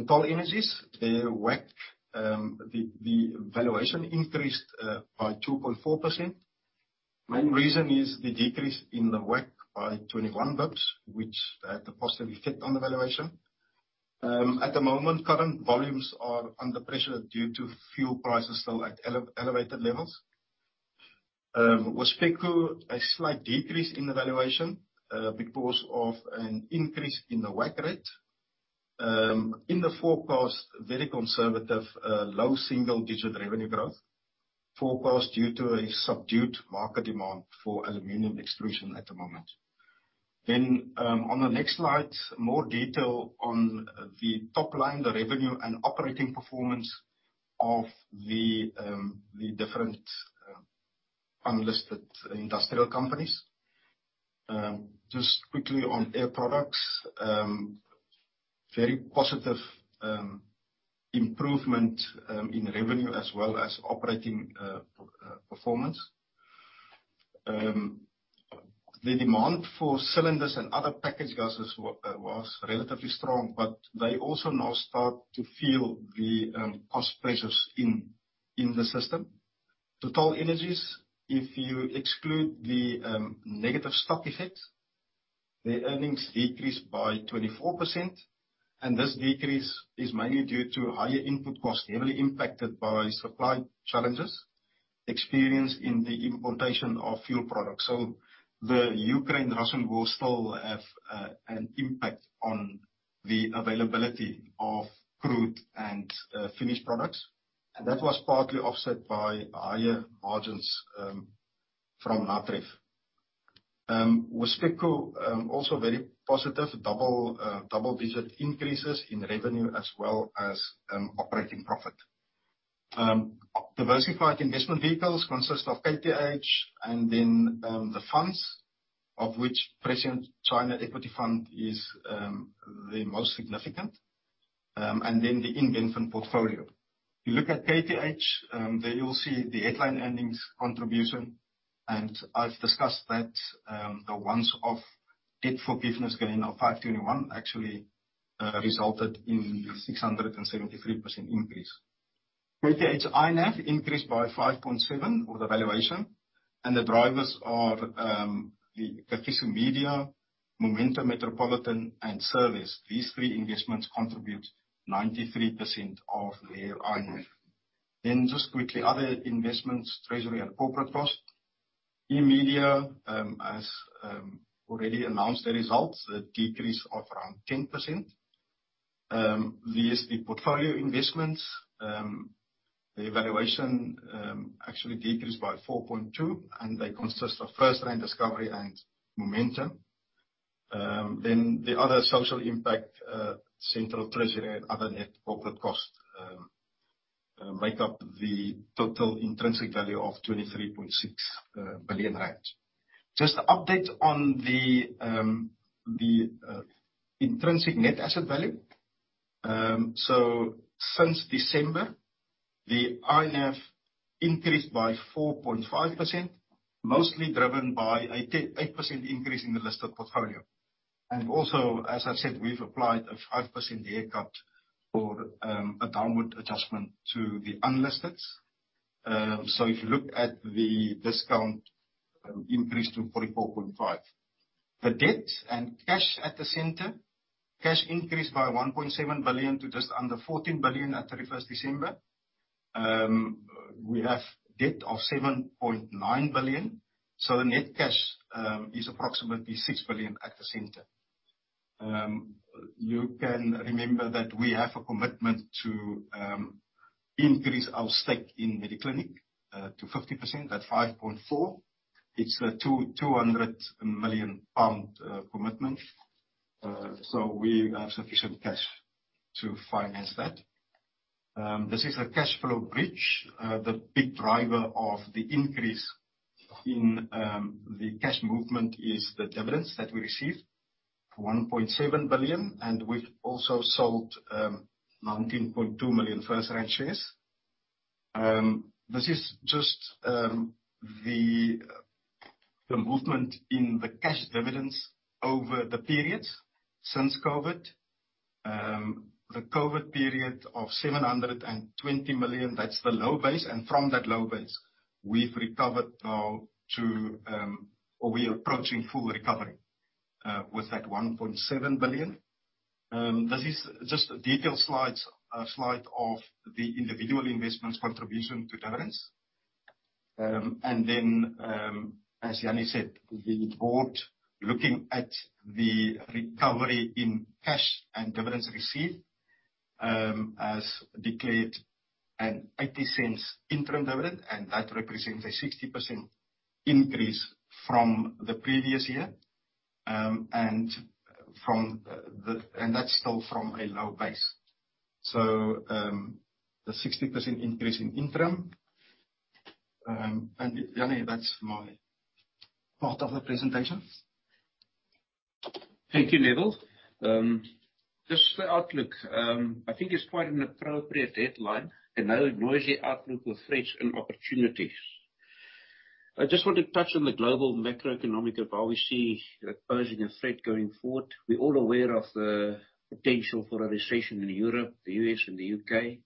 TotalEnergies, their WACC, the valuation increased by 2.4%. Main reason is the decrease in the WACC by 21 basis points, which had a positive effect on the valuation. At the moment, current volumes are under pressure due to fuel prices still at elevated levels. Wispeco, a slight decrease in the valuation because of an increase in the WACC rate. In the forecast, very conservative, low single-digit revenue growth forecast due to a subdued market demand for aluminum extrusion at the moment. On the next slide, more detail on the top line, the revenue and operating performance of the different unlisted industrial companies. Just quickly on Air Products, very positive improvement in revenue as well as operating performance. The demand for cylinders and other packaged gases was relatively strong, but they also now start to feel the cost pressures in the system. TotalEnergies, if you exclude the negative stock effects, their earnings decreased by 24%, this decrease is mainly due to higher input costs, heavily impacted by supply challenges experienced in the importation of fuel products. The Ukraine/Russian War still have an impact on the availability of crude and finished products. That was partly offset by higher margins from Natref. Wispeco also very positive. Double digit increases in revenue as well as operating profit. Diversified investment vehicles consist of KTH and then the funds, of which Prescient China Equity Fund is the most significant, and then the Invenfin portfolio. You look at KTH, there you'll see the headline earnings contribution, and I've discussed that, the once-off debt forgiveness gain of 521 actually resulted in the 673% increase. KTH's INAV increased by 5.7 or the valuation, and the drivers are Kagiso Media, Momentum Metropolitan, and Servest. These three investments contribute 93% of their INAV. Just quickly, other investments, treasury and corporate costs. eMedia has already announced the results, a decrease of around 10%. VST Portfolio Investments, the evaluation actually decreased by 4.2, and they consist of FirstRand, Discovery, and Momentum. The other social impact, central treasury and other net corporate costs make up the total intrinsic value of 23.6 billion rand. Just update on the intrinsic net asset value. So since December, the INAV increased by 4.5%, mostly driven by 8% increase in the listed portfolio. Also, as I said, we've applied a 5% haircut for a downward adjustment to the unlisteds. So if you look at the discount, increase to 44.5%. The debt and cash at the center. Cash increased by 1.7 billion to just under 14 billion at the 1st December. We have debt of 7.9 billion, so the net cash is approximately 6 billion at the center. You can remember that we have a commitment to increase our stake in Mediclinic to 50% at 5.4. It's a 200 million pound commitment. We have sufficient cash to finance that. This is a cash flow bridge. The big driver of the increase in the cash movement is the dividends that we received, 1.7 billion, and we've also sold 19.2 million FirstRand shares. This is just the movement in the cash dividends over the periods since COVID. The COVID period of 720 million, that's the low base, and from that low base, we've recovered now to or we're approaching full recovery with that 1.7 billion. This is just detailed slides, slide of the individual investments contribution to dividends. Then, as Jannie said, the board, looking at the recovery in cash and dividends received, has declared a 0.80 interim dividend, and that represents a 60% increase from the previous year. That's still from a low base. The 60% increase in interim. Jannie, that's my part of the presentation. Thank you, Neville. This is the outlook. I think it's quite an appropriate headline, another noisy outlook with threats and opportunities. I just want to touch on the global macroeconomic of how we see that posing a threat going forward. We're all aware of the potential for a recession in Europe, the U.S., and the U.K..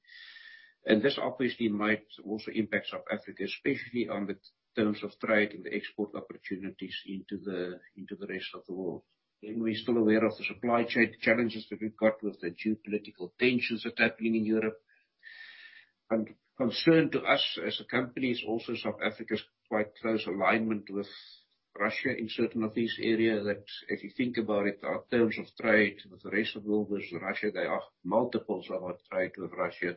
This obviously might also impact South Africa, especially on the terms of trade and the export opportunities into the rest of the world. We're still aware of the supply chain challenges that we've got with the geopolitical tensions that are happening in Europe. Concern to us as a company is also South Africa's quite close alignment with Russia in certain of these areas, that if you think about it, our terms of trade with the rest of the world, with Russia, there are multiples of our trade with Russia.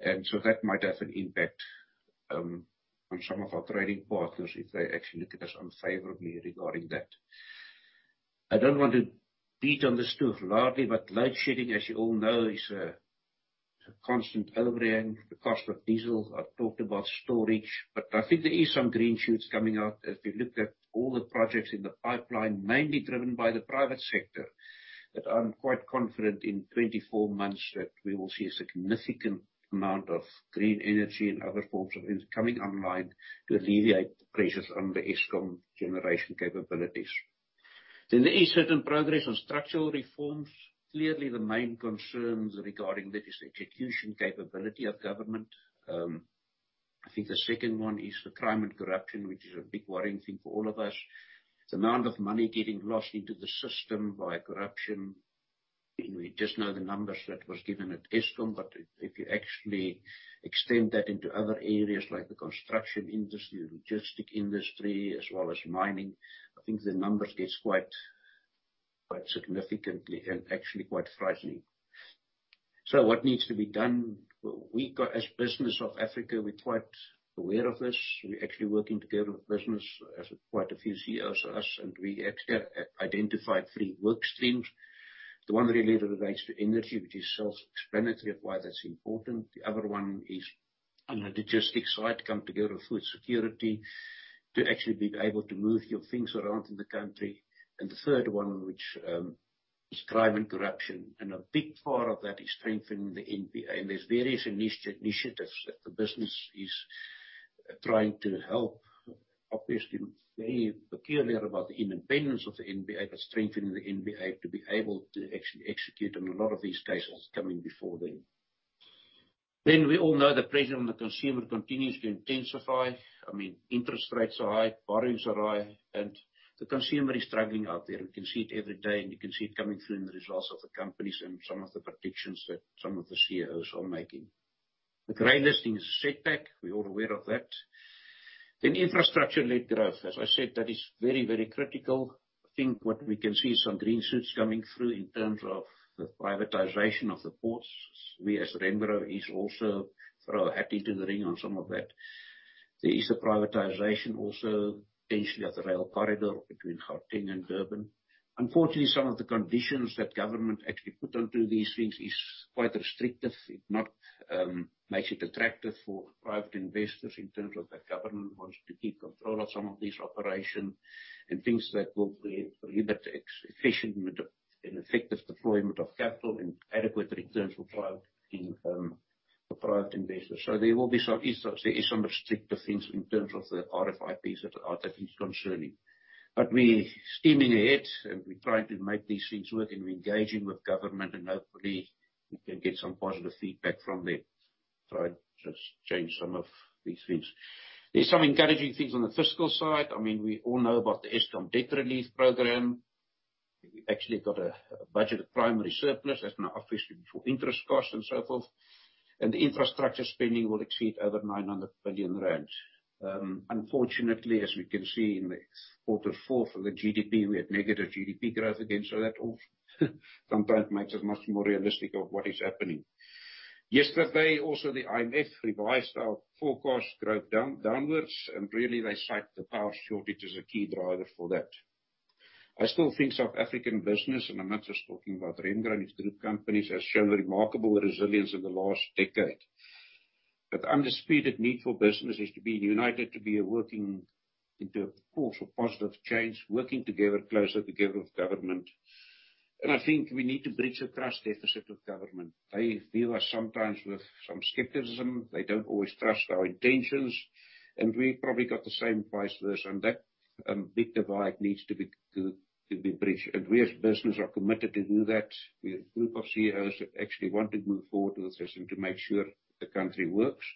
That might have an impact on some of our trading partners if they actually look at us unfavorably regarding that. I don't want to beat on this too largely, load shedding, as you all know, is a constant overhang. The cost of diesel. I've talked about storage. I think there is some green shoots coming out. If you look at all the projects in the pipeline, mainly driven by the private sector, that I'm quite confident in 24 months that we will see a significant amount of green energy and other forms of energy coming online to alleviate the pressures on the Eskom generation capabilities. There is certain progress on structural reforms. Clearly, the main concerns regarding that is execution capability of government. I think the second one is the crime and corruption, which is a big worrying thing for all of us. The amount of money getting lost into the system via corruption, we just know the numbers that was given at Eskom, if you actually extend that into other areas like the construction industry, the logistic industry, as well as mining, I think the numbers gets quite significantly and actually quite frightening. What needs to be done? We, as Business for South Africa, we're quite aware of this. We're actually working together with business, as quite a few CEOs of us, and we actually have identified three work streams. The one really relates to energy, which is self-explanatory of why that's important. The other one is on the logistics side, come together with food security, to actually be able to move your things around in the country. The third one, which is crime and corruption. A big part of that is strengthening the NPA. There's various initiatives that the business is trying to help. Obviously, very peculiar about the independence of the NPA, but strengthening the NPA to be able to actually execute on a lot of these cases coming before them. We all know the pressure on the consumer continues to intensify. I mean, interest rates are high, borrowings are high. The consumer is struggling out there. We can see it every day. You can see it coming through in the results of the companies and some of the predictions that some of the CEOs are making. The grey listing is a setback. We're all aware of that. Infrastructure-led growth. As I said, that is very, very critical. I think what we can see is some green shoots coming through in terms of the privatization of the ports. We as Remgro is also throw our hat into the ring on some of that. There is a privatization also potentially of the rail corridor between Gauteng and Durban. Unfortunately, some of the conditions that government actually put onto these things is quite restrictive. It not makes it attractive for private investors in terms of the government wants to keep control of some of these operations and things that will re-limit efficient and effective deployment of capital and adequate returns for private for private investors. There will be some. There is some restrictive things in terms of the RFIPs that are, that is concerning. We're steaming ahead, and we're trying to make these things work, and we're engaging with government, and hopefully we can get some positive feedback from there. Try and just change some of these things. There's some encouraging things on the fiscal side. I mean, we all know about the Eskom debt relief program. We've actually got a budget primary surplus. That's now officially for interest costs and so forth. The infrastructure spending will exceed over 900 billion rand. Unfortunately, as we can see in the quarter four for the GDP, we had negative GDP growth again, so that all sometimes makes us much more realistic of what is happening. Yesterday also, the IMF revised our forecast growth downwards, really they cite the power shortage as a key driver for that. I still think South African business, and I'm not just talking about Remgro and its group companies, has shown remarkable resilience in the last decade. The undisputed need for business is to be united, to be a working into a force of positive change, working together, closer together with government. I think we need to bridge the trust deficit with government. They view us sometimes with some skepticism. They don't always trust our intentions. We've probably got the same vice versa. That big divide needs to be bridged. We as business are committed to do that. We have a group of CEOs that actually want to move forward with this and to make sure the country works.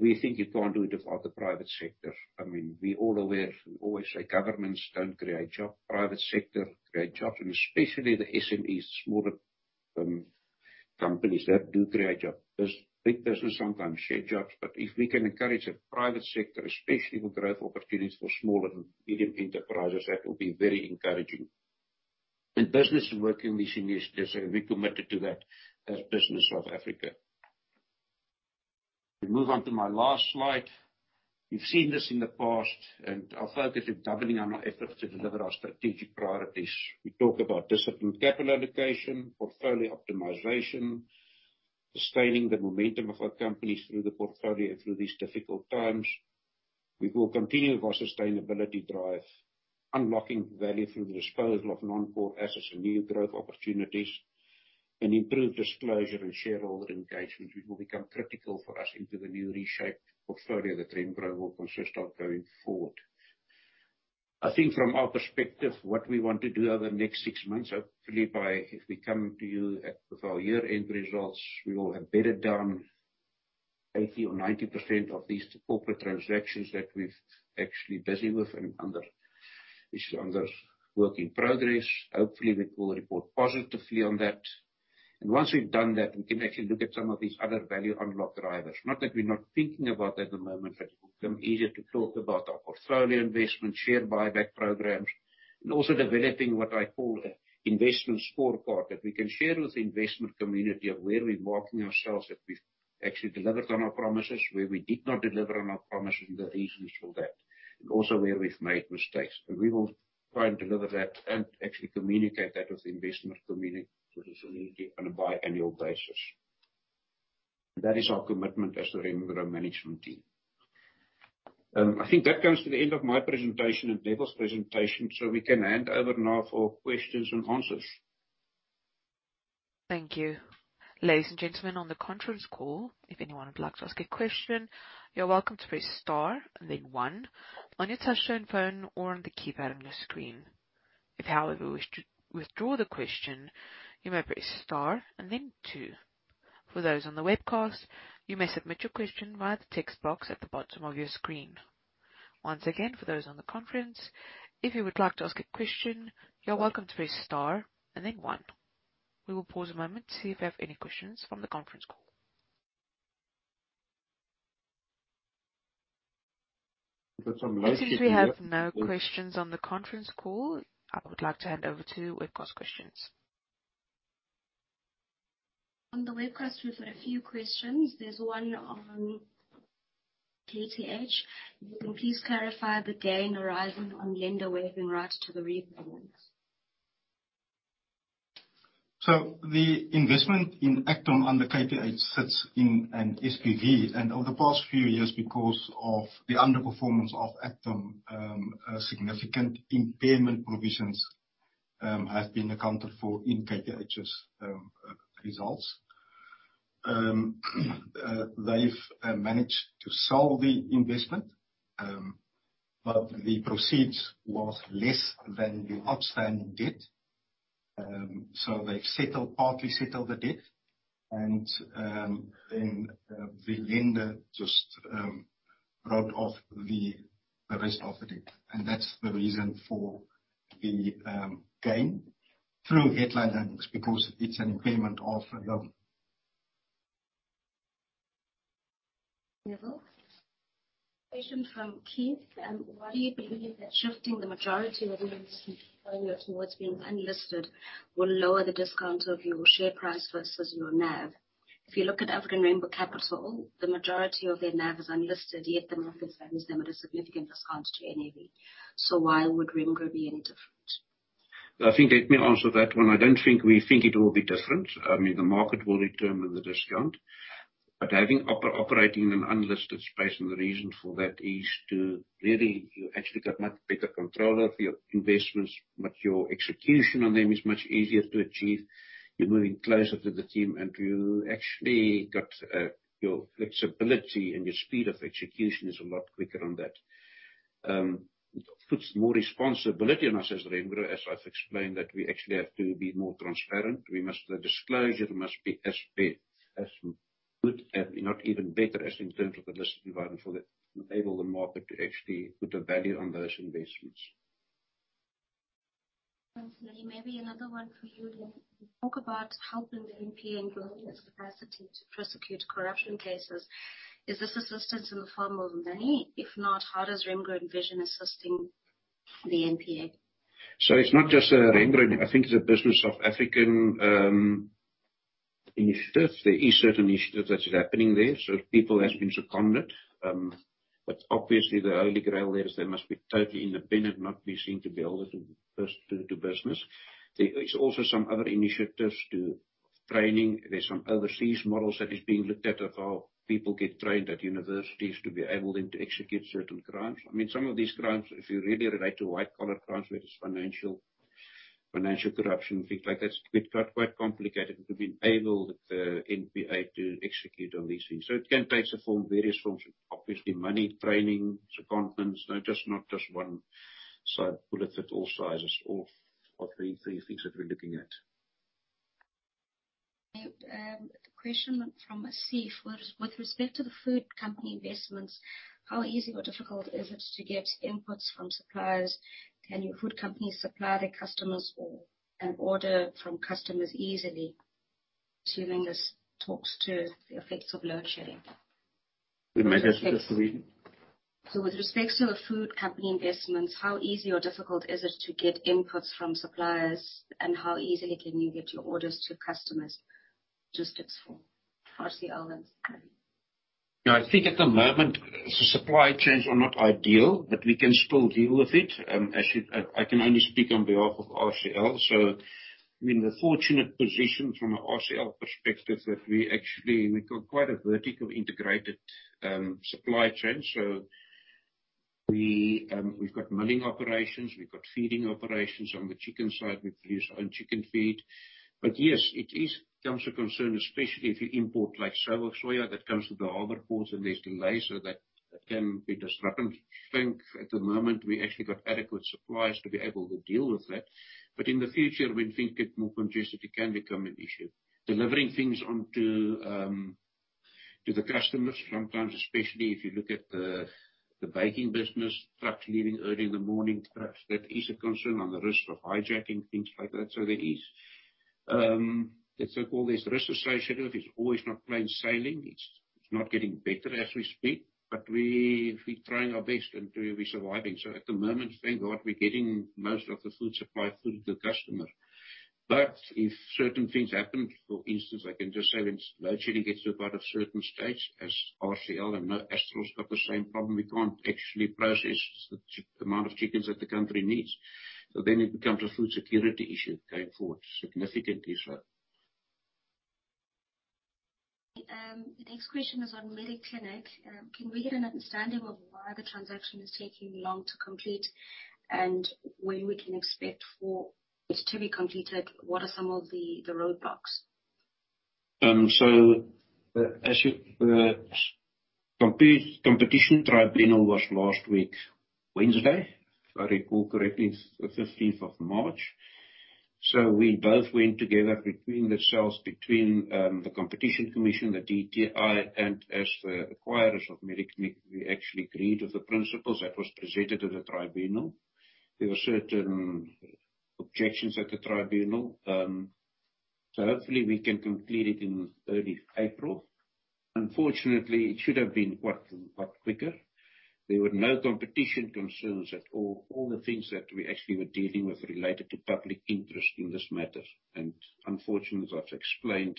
We think you can't do it without the private sector. I mean, we're all aware. We always say governments don't create jobs, private sector create jobs, and especially the SMEs, smaller companies, that do create jobs. Big business sometimes shed jobs. If we can encourage the private sector, especially with growth opportunities for small and medium enterprises, that will be very encouraging. Business working with initiatives, and we're committed to that as Business South Africa. We move on to my last slide. You've seen this in the past, our focus is doubling on our efforts to deliver our strategic priorities. We talk about disciplined capital allocation, portfolio optimization, sustaining the momentum of our companies through the portfolio through these difficult times. We will continue with our sustainability drive, unlocking value through the disposal of non-core assets and new growth opportunities, and improved disclosure and shareholder engagement, which will become critical for us into the new reshaped portfolio that Remgro will consist of going forward. I think from our perspective, what we want to do over the next six months, hopefully by, if we come to you at, with our year-end results, we will have bedded down 80 or 90% of these corporate transactions that we're actually busy with and under. Which is under work in progress. Hopefully, we will report positively on that. Once we've done that, we can actually look at some of these other value unlock drivers. Not that we're not thinking about at the moment, but it will become easier to talk about our portfolio investment, share buyback programs, and also developing what I call an investment scorecard that we can share with the investment community of where we're marking ourselves, if we've actually delivered on our promises, where we did not deliver on our promises and the reasons for that, and also where we've made mistakes. We will try and deliver that and actually communicate that with the investment community on a biannual basis. That is our commitment as the Remgro management team. I think that comes to the end of my presentation and Neville's presentation, we can hand over now for questions and answers. Thank you. Ladies and gentlemen, on the conference call, if anyone would like to ask a question, you're welcome to press star and then one on your touch-tone phone or on the keypad on your screen. If, however, you wish to withdraw the question, you may press star and then two. For those on the webcast, you may submit your question via the text box at the bottom of your screen. Once again, for those on the conference, if you would like to ask a question, you're welcome to press star and then one. We will pause a moment to see if we have any questions from the conference call. There are. It seems we have no questions on the conference call. I would like to hand over to webcast questions. On the webcast, we've got a few questions. There's one on KTH. Can you please clarify the gain arising on lender waiving right to the repayments? The investment in Actom on the KTH sits in an SPV. Over the past few years, because of the underperformance of Actom, significant impairment provisions have been accounted for in KTH's results. They've managed to sell the investment, the proceeds was less than the outstanding debt. They partly settled the debt, the lender just wrote off the rest of the debt. That's the reason for the gain through headline earnings because it's an impairment of a loan. Neville, question from Keith. Why do you believe that shifting the majority of your investment portfolio towards being unlisted will lower the discount of your share price versus your NAV? If you look at African Rainbow Capital, the majority of their NAV is unlisted, yet the market values them at a significant discount to NAV. Why would Remgro be any different? I think let me answer that one. I don't think we think it will be different. I mean, the market will determine the discount. I think operating in an unlisted space, the reason for that is to really, you actually got much better control of your investments, but your execution on them is much easier to achieve. You're moving closer to the team, you actually got your flexibility, and your speed of execution is a lot quicker on that. It puts more responsibility on us as Remgro, as I've explained, that we actually have to be more transparent. The disclosure must be as good, if not even better as in terms of the listed environment for that to enable the market to actually put a value on those investments. Thanks, Jannie. Maybe another one for you, then. You talk about helping the NPA in growing its capacity to prosecute corruption cases. Is this assistance in the form of money? If not, how does Remgro envision assisting the NPA? It's not just Remgro. I think it's a business of African initiatives. There is certain initiatives that is happening there, people has been secondment. Obviously the holy grail there is they must be totally independent, not be seen to be able to first do business. There is also some other initiatives to training. There's some overseas models that is being looked at of how people get trained at universities to be able then to execute certain crimes. I mean, some of these crimes, if you really relate to white-collar crimes, whether it's financial corruption, things like this, it got quite complicated to be able the NPA to execute on these things. It can takes a form, various forms, obviously money, training, secondments. Not just one size bullet fit all sizes or the things that we're looking at. The question from Steve. With respect to the food company investments, how easy or difficult is it to get inputs from suppliers? Can your food companies supply their customers or an order from customers easily? Assuming this talks to the effects of load shedding. Can you maybe just read it? With respect to the food company investments, how easy or difficult is it to get inputs from suppliers, and how easily can you get your orders to customers? Just it's for RCL and Steinhoff. I think at the moment, supply chains are not ideal, we can still deal with it. I can only speak on behalf of RCL. We're in the fortunate position from a RCL perspective that we actually, we've got quite a vertical integrated supply chain. We've got milling operations, we've got feeding operations. On the chicken side, we produce our own chicken feed. Yes, it is becomes a concern, especially if you import like soy, soya that comes to the harbor ports and there's delays. That can be disruptive. I think at the moment, we actually got adequate supplies to be able to deal with that. In the future, we think if more congested, it can become an issue. Delivering things onto. To the customers, sometimes, especially if you look at the banking business, trucks leaving early in the morning, trucks, that is a concern on the risk of hijacking, things like that. There is, let's say, call this risk associated with it's always not plain sailing. It's not getting better as we speak. We trying our best and we surviving. At the moment, thank God, we're getting most of the food supply through to the customer. If certain things happen, for instance, I can just say when bird flu gets to about a certain stage, as RCL and Astral's got the same problem, we can't actually process the amount of chickens that the country needs. Then it becomes a food security issue going forward, significantly so. The next question is on Mediclinic. Can we get an understanding of why the transaction is taking long to complete, and when we can expect for it to be completed? What are some of the roadblocks? As you know, Competition Tribunal was last week, Wednesday, if I recall correctly, the 15th of March. We both went together between the sales, between the Competition Commission, the DTI, and as the acquirers of Mediclinic, we actually agreed with the principles that was presented at the tribunal. There were certain objections at the tribunal. Hopefully we can complete it in early April. Unfortunately, it should have been quite quicker. There were no competition concerns at all. All the things that we actually were dealing with related to public interest in this matter. Unfortunately, as I've explained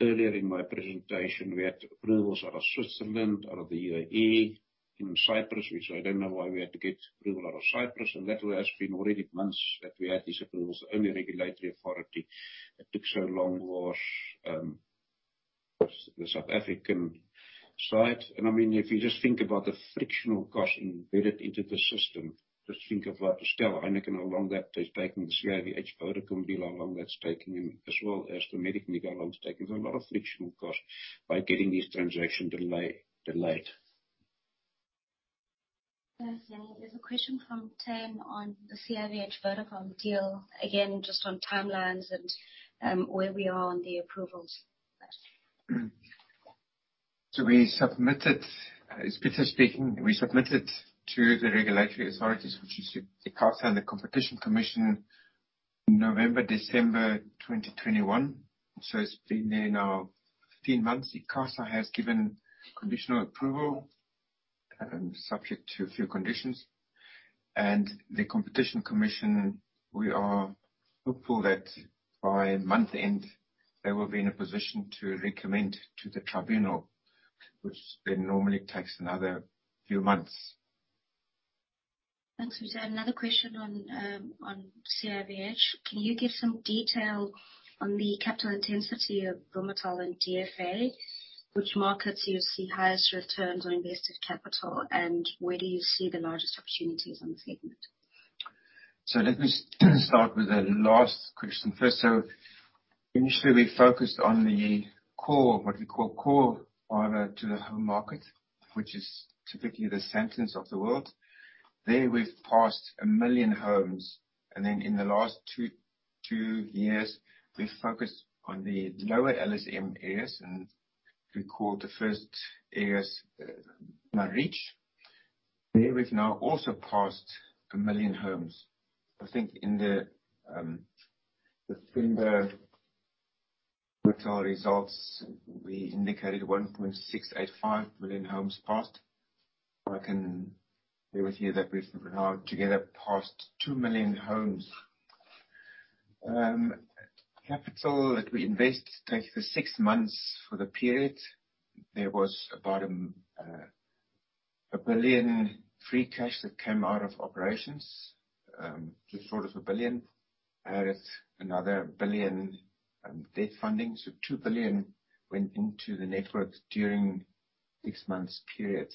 earlier in my presentation, we had approvals out of Switzerland, out of the UAE, in Cyprus, which I don't know why we had to get approval out of Cyprus, and that has been already months that we had these approvals. The only regulatory authority that took so long was the South African side. I mean, if you just think about the frictional cost embedded into the system, just think of Distell, Heineken, how long that has taken. The CIVH Vodacom deal, how long that's taken, and as well as the Mediclinic deal how long it's taken. A lot of frictional costs by getting these transaction delayed. Yes. There's a question from Tan on the CIVH Vodacom deal. Again, just on timelines and where we are on the approvals. We submitted, it's Peter speaking. We submitted to the regulatory authorities, which is ICASA and the Competition Commission in November/December 2021. It's been there now 15 months. ICASA has given conditional approval, subject to a few conditions. The Competition Commission, we are hopeful that by month end, they will be in a position to recommend to the Competition Tribunal, which normally takes another few months. Thanks, Peter. Another question on CIVH. Can you give some detail on the capital intensity of Vumatel and DFA? Which markets you see highest returns on invested capital, and where do you see the largest opportunities on the segment? Let me start with the last question first. Initially, we focused on the core, what we call core fibre to the home market, which is typically the Sandton of the world. There, we've passed one million homes. Then in the last two years, we've focused on the lower LSM areas, and we call the first areas, now RICH. There, we've now also passed one million homes. I think in the September Vumatel results, we indicated 1.685 million homes passed. I can share with you that we've now together passed two million homes. Capital that we invest takes the six months for the period. There was about 1 billion free cash that came out of operations, just short of 1 billion. Added another 1 billion debt funding. 2 billion went into the network during the six months period.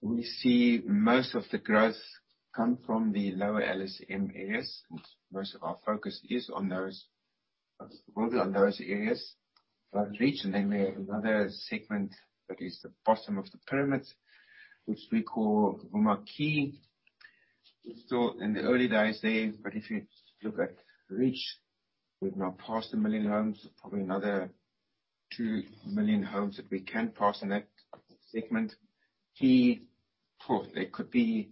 We see most of the growth come from the lower LSM areas. Most of our focus is on those, will be on those areas. Vuma Core, and then we have another segment that is the bottom of the pyramid, which we call Vuma Key. We're still in the early days there, but if you look at Vuma Core, we've now passed one million homes, probably another two million homes that we can pass in that segment. Vuma Key, there could be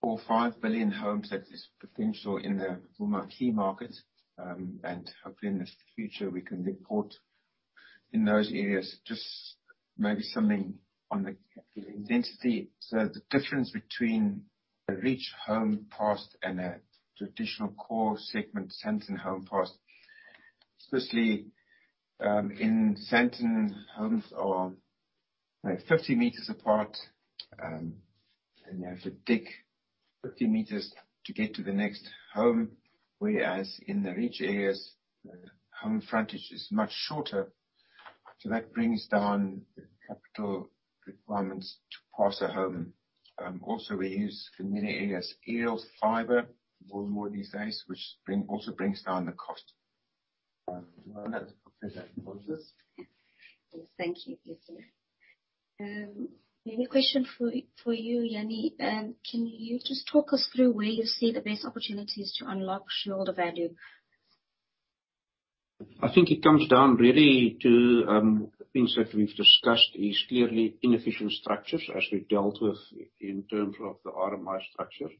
four, five million homes that is potential in the Vuma Key market. Hopefully in the future we can report in those areas. Maybe something on the capital intensity. The difference between a RICH home passed and a traditional core segment Sandton home passed, especially, in Sandton, homes are, like, 50 m apart. You have to dig 50 m to get to the next home, whereas in the RICH areas, the home frontage is much shorter. That brings down the capital requirements to pass a home. Also we use, in many areas, aerial fiber more and more these days, which also brings down the cost. Joanna, does that answer this? Yes. Thank you. Yes, sir. Maybe a question for you, Jannie. Can you just talk us through where you see the best opportunities to unlock shareholder value? I think it comes down really to things that we've discussed. Is clearly inefficient structures as we dealt with in terms of the RMI structure.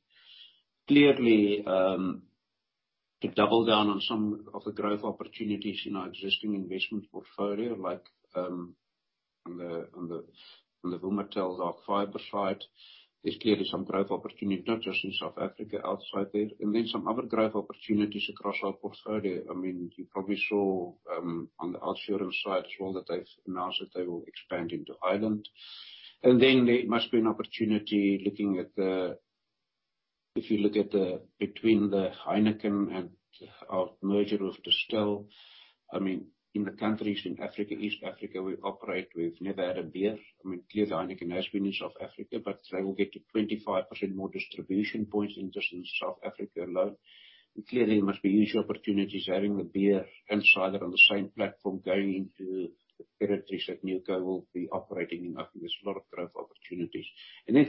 Clearly, to double down on some of the growth opportunities in our existing investment portfolio like, on the Vumatel, dark fiber side. There's clearly some growth opportunity not just in South Africa, outside there, some other growth opportunities across our portfolio. I mean, you probably saw on the OUTsurance side as well that they've announced that they will expand into Ireland. There must be an opportunity looking at if you look at between the Heineken and our merger with Distell. I mean, in the countries in Africa, East Africa, we operate, we've never had a beer. Clearly Heineken has been in South Africa, but they will get to 25% more distribution points just in South Africa alone. Clearly there must be huge opportunities having the beer insider on the same platform going into the territories that Newco will be operating in. I think there's a lot of growth opportunities.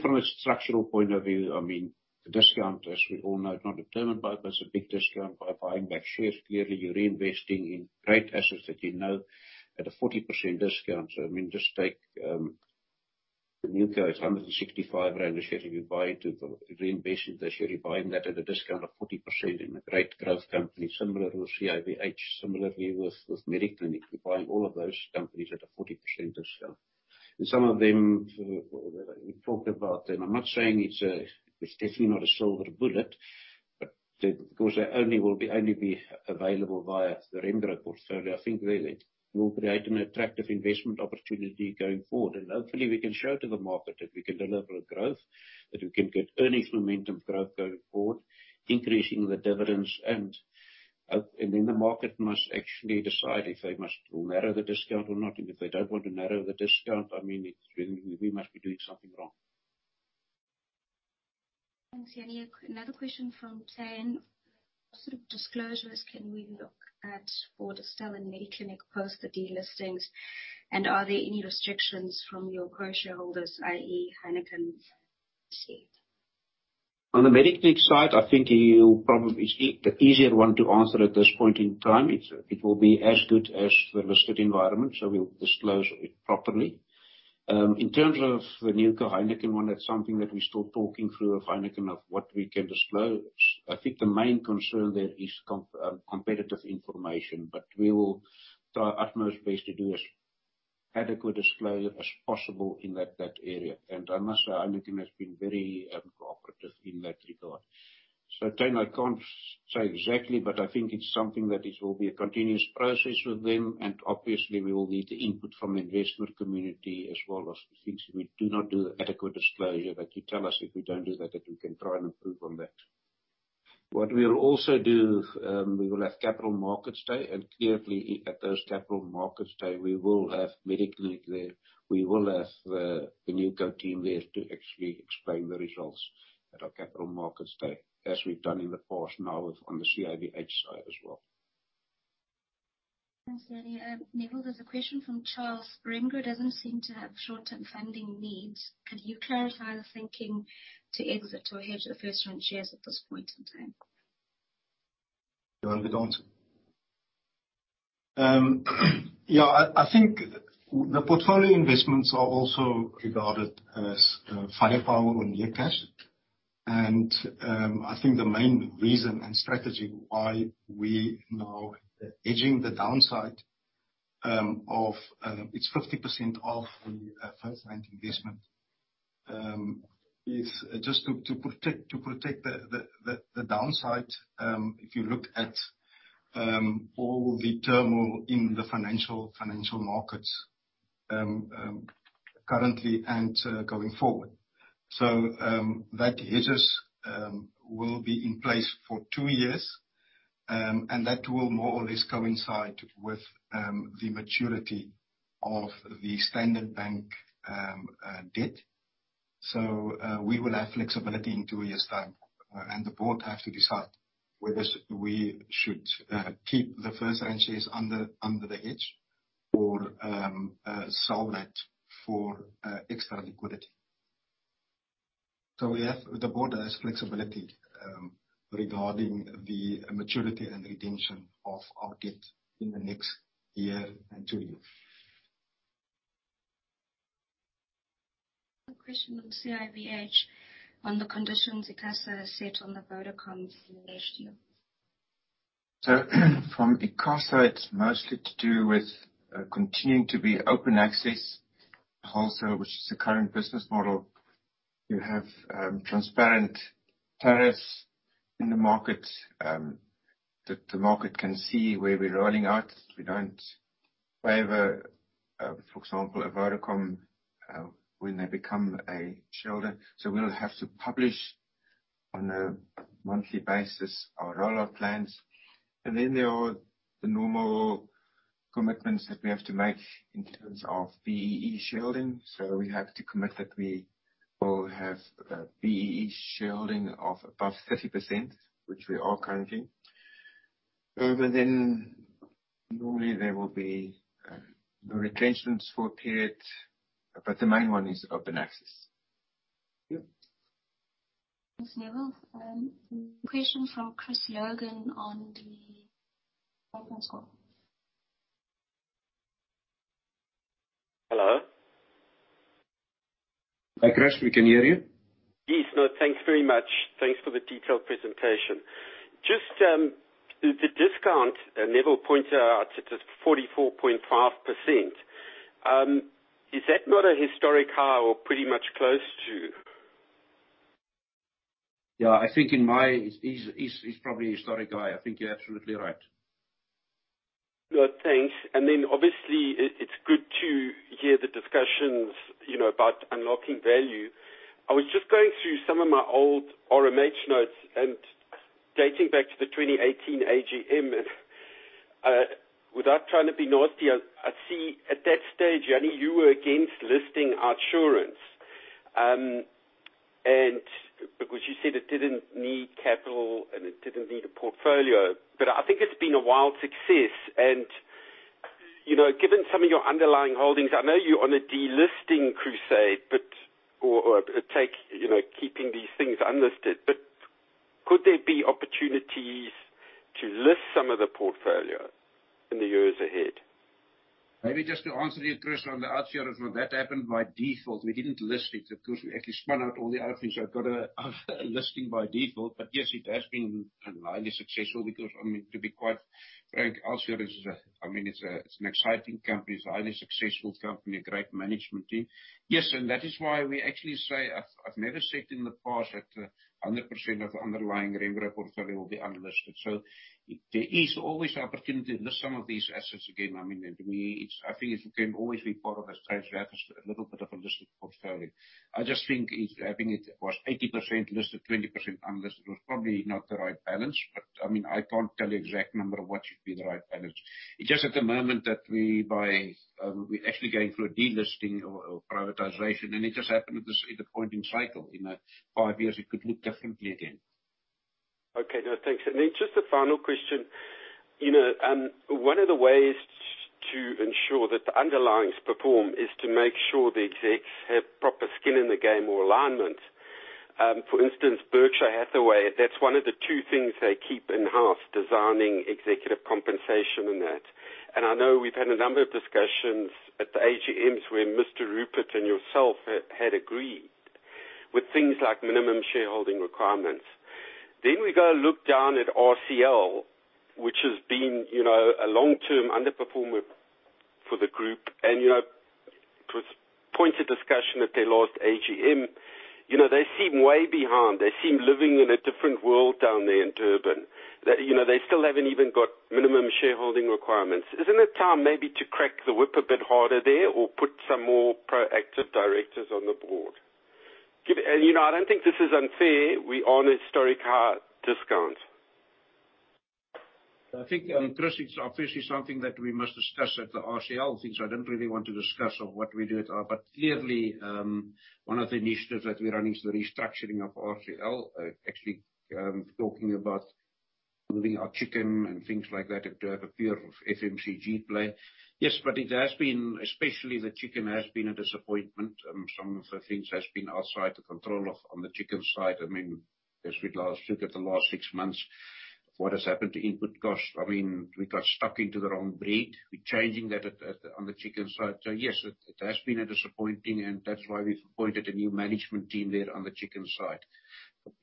From a structural point of view, the discount, as we all know, is not determined by it, but it's a big discount. By buying back shares, clearly you're reinvesting in great assets that you know at a 40% discount. Just take, the Newco is 165 rand a share. If you buy to reinvest in the share, you're buying that at a discount of 40% in a great growth company similar to CIVH, similarly with Mediclinic. You're buying all of those companies at a 40% discount. Some of them, we've talked about, and I'm not saying it's a. It's definitely not a silver bullet, but because they only will be available via the Remgro portfolio, I think really it will create an attractive investment opportunity going forward. Hopefully we can show to the market that we can deliver growth, that we can get earnings momentum growth going forward, increasing the dividends, and the market must actually decide if they must narrow the discount or not. If they don't want to narrow the discount, I mean, it's really we must be doing something wrong. Thanks, Jannie. Another question from Jane. What sort of disclosures can we look at for Distell and Mediclinic post the delistings, are there any restrictions from your core shareholders, i.e. Heineken's seat? On the Mediclinic side, I think you'll probably see the easier one to answer at this point in time. It will be as good as the listed environment, so we'll disclose it properly. In terms of the Newco Heineken one, that's something that we're still talking through with Heineken of what we can disclose. I think the main concern there is competitive information, but we will try our utmost best to do as adequate disclosure as possible in that area. I must say, Heineken has been very cooperative in that regard. Jane, I can't say exactly, but I think it's something that is, will be a continuous process with them. Obviously, we will need the input from the investment community as well as things we do not do adequate disclosure, that you tell us if we don't do that we can try and improve on that. We'll also do, we will have capital markets day. Clearly, at those capital markets day, we will have Mediclinic there. We will have the Newco team there to actually explain the results at our capital markets day, as we've done in the past now with, on the CIVH side as well. Thanks, Jannie. Neville, there's a question from Charles. Remgro doesn't seem to have short-term funding needs. Could you clarify the thinking to exit or hedge the FirstRand shares at this point in time? Do you want me to answer? I think the portfolio investments are also regarded as firepower on near cash. I think the main reason and strategy why we now are hedging the downside of it's 50% of the FirstRand investment is just to protect the downside. If you looked at all the turmoil in the financial markets currently and going forward. That hedges will be in place for two years and that will more or less coincide with the maturity of the Standard Bank debt. We will have flexibility in two years' time, and the board have to decide whether we should keep the FirstRand shares under the hedge or sell that for extra liquidity. The board has flexibility regarding the maturity and redemption of our debt in the next year and two years. A question on CIVH on the conditions ICASA set on the Vodacom deal last year. From ICASA, it's mostly to do with continuing to be open access wholesale, which is the current business model. You have transparent tariffs in the market that the market can see where we're rolling out. We don't favor, for example, a Vodacom when they become a shareholder. We'll have to publish on a monthly basis our rollout plans. There are the normal commitments that we have to make in terms of BEE sharing. We have to commit that we will have a BEE sharing of above 30%, which we are currently. Normally there will be the retentions for a period, but the main one is open access. Thanks, Neville. question from Chris Logan on the conference call. Hello. Hi, Chris. We can hear you. Yes. No, thanks very much. Thanks for the detailed presentation. Just, the discount, and Neville pointed out, it is 44.5%. Is that not a historic high or pretty much close to? Yeah, I think it's probably a historic high. I think you're absolutely right. No, thanks. Obviously, it's good to hear the discussions, you know, about unlocking value. I was just going through some of my old RMH notes, and dating back to the 2018 AGM, without trying to be nasty, I see at that stage, Jannie, you were against listing our insurance. Because you said it didn't need capital and it didn't need a portfolio. I think it's been a wild success. You know, given some of your underlying holdings, I know you're on a delisting crusade, or take, you know, keeping these things unlisted. Could there be opportunities to list some of the portfolio in the years ahead? Maybe just to answer you, Chris, on the OUTsurance here, is that that happened by default. We didn't list it. Of course, we actually spun out all the other things. It got a listing by default. Yes, it has been highly successful because, I mean, to be quite frank, Alsier is. I mean, it's an exciting company. It's a highly successful company, a great management team. Yes, that is why we actually say I've never said in the past that 100% of the underlying Remgro portfolio will be unlisted. There is always opportunity to list some of these assets again. I mean, I think it can always be part of the strategy to have a little bit of a listed portfolio. I just think it's having it was 80% listed, 20% unlisted, was probably not the right balance. I mean, I can't tell you exact number of what should be the right balance. It's just at the moment that we're actually going through a delisting or privatization, and it just happened at a point in cycle. In five years, it could look differently again. Okay. No, thanks. Just a final question. You know, one of the ways to ensure that the underlyings perform is to make sure the execs have proper skin in the game or alignment. For instance, Berkshire Hathaway, that's one of the two things they keep in-house, designing executive compensation and that. I know we've had a number of discussions at the AGMs where Mr. Rupert and yourself had agreed with things like minimum shareholding requirements. We go look down at RCL, which has been, you know, a long-term underperformer for the group. It was pointed discussion at their last AGM. You know, they seem way behind. They seem living in a different world down there in Durban. They, you know, they still haven't even got minimum shareholding requirements. Isn't it time maybe to crack the whip a bit harder there or put some more proactive directors on the board? You know, I don't think this is unfair. We are on a historic high discount. I think, Chris, it's obviously something that we must discuss at the RCL since I don't really want to discuss or what we do at. Clearly, one of the initiatives that we're running is the restructuring of RCL. Actually, talking about moving our chicken and things like that to have a pure FMCG play. Yes, it has been, especially the chicken, has been a disappointment. Some of the things has been outside the control of, on the chicken side. I mean, as we last look at the last six months, what has happened to input costs. I mean, we got stuck into the wrong breed. We're changing that at, on the chicken side. Yes, it has been a disappointing, and that's why we've appointed a new management team there on the chicken side.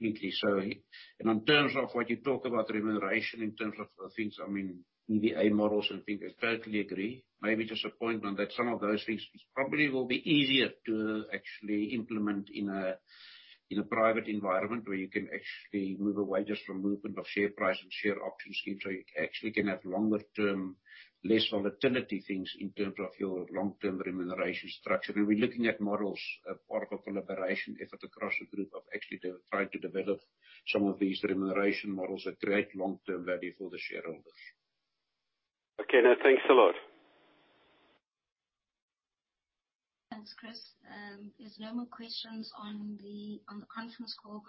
Completely. In terms of what you talk about remuneration in terms of the things, I mean, EDA models and things, I totally agree. Maybe disappointment that some of those things probably will be easier to actually implement in a private environment where you can actually move away just from movement of share price and share options things, so you actually can have longer term, less volatility things in terms of your long-term remuneration structure. We're looking at models, part of a collaboration effort across the group of actually trying to develop some of these remuneration models that create long-term value for the shareholders. Okay. No, thanks a lot. Thanks, Chris. There's no more questions on the conference call.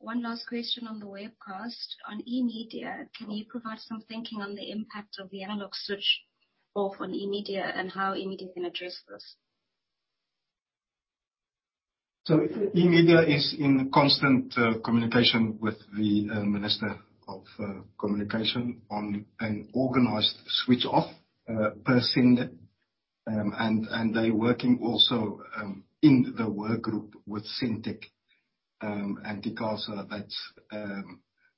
One last question on the webcast. On eMedia, can you provide some thinking on the impact of the analog switch off on eMedia and how eMedia can address this? eMedia is in constant communication with the minister of communication on an organized switch off per sender. they working also in the work group with Sentech because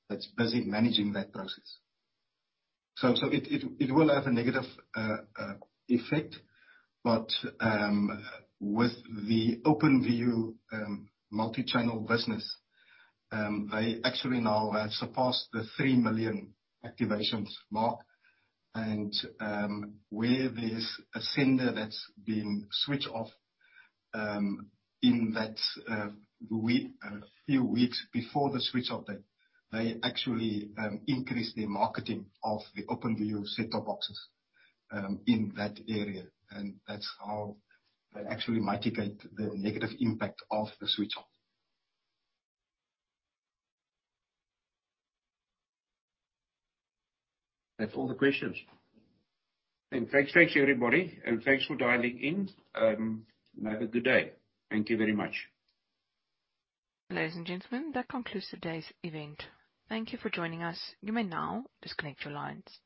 that's busy managing that process. it will have a negative effect. with the Openview multi-channel business, they actually now have surpassed the three million activations mark. where there's a sender that's been switched off in that week, few weeks before the switch off date, they actually increase their marketing of the Openview set-top boxes in that area. That's how they actually mitigate the negative impact of the switch off. That's all the questions. thanks, everybody, and thanks for dialing in. have a good day. Thank you very much. Ladies and gentlemen, that concludes today's event. Thank you for joining us. You may now disconnect your lines.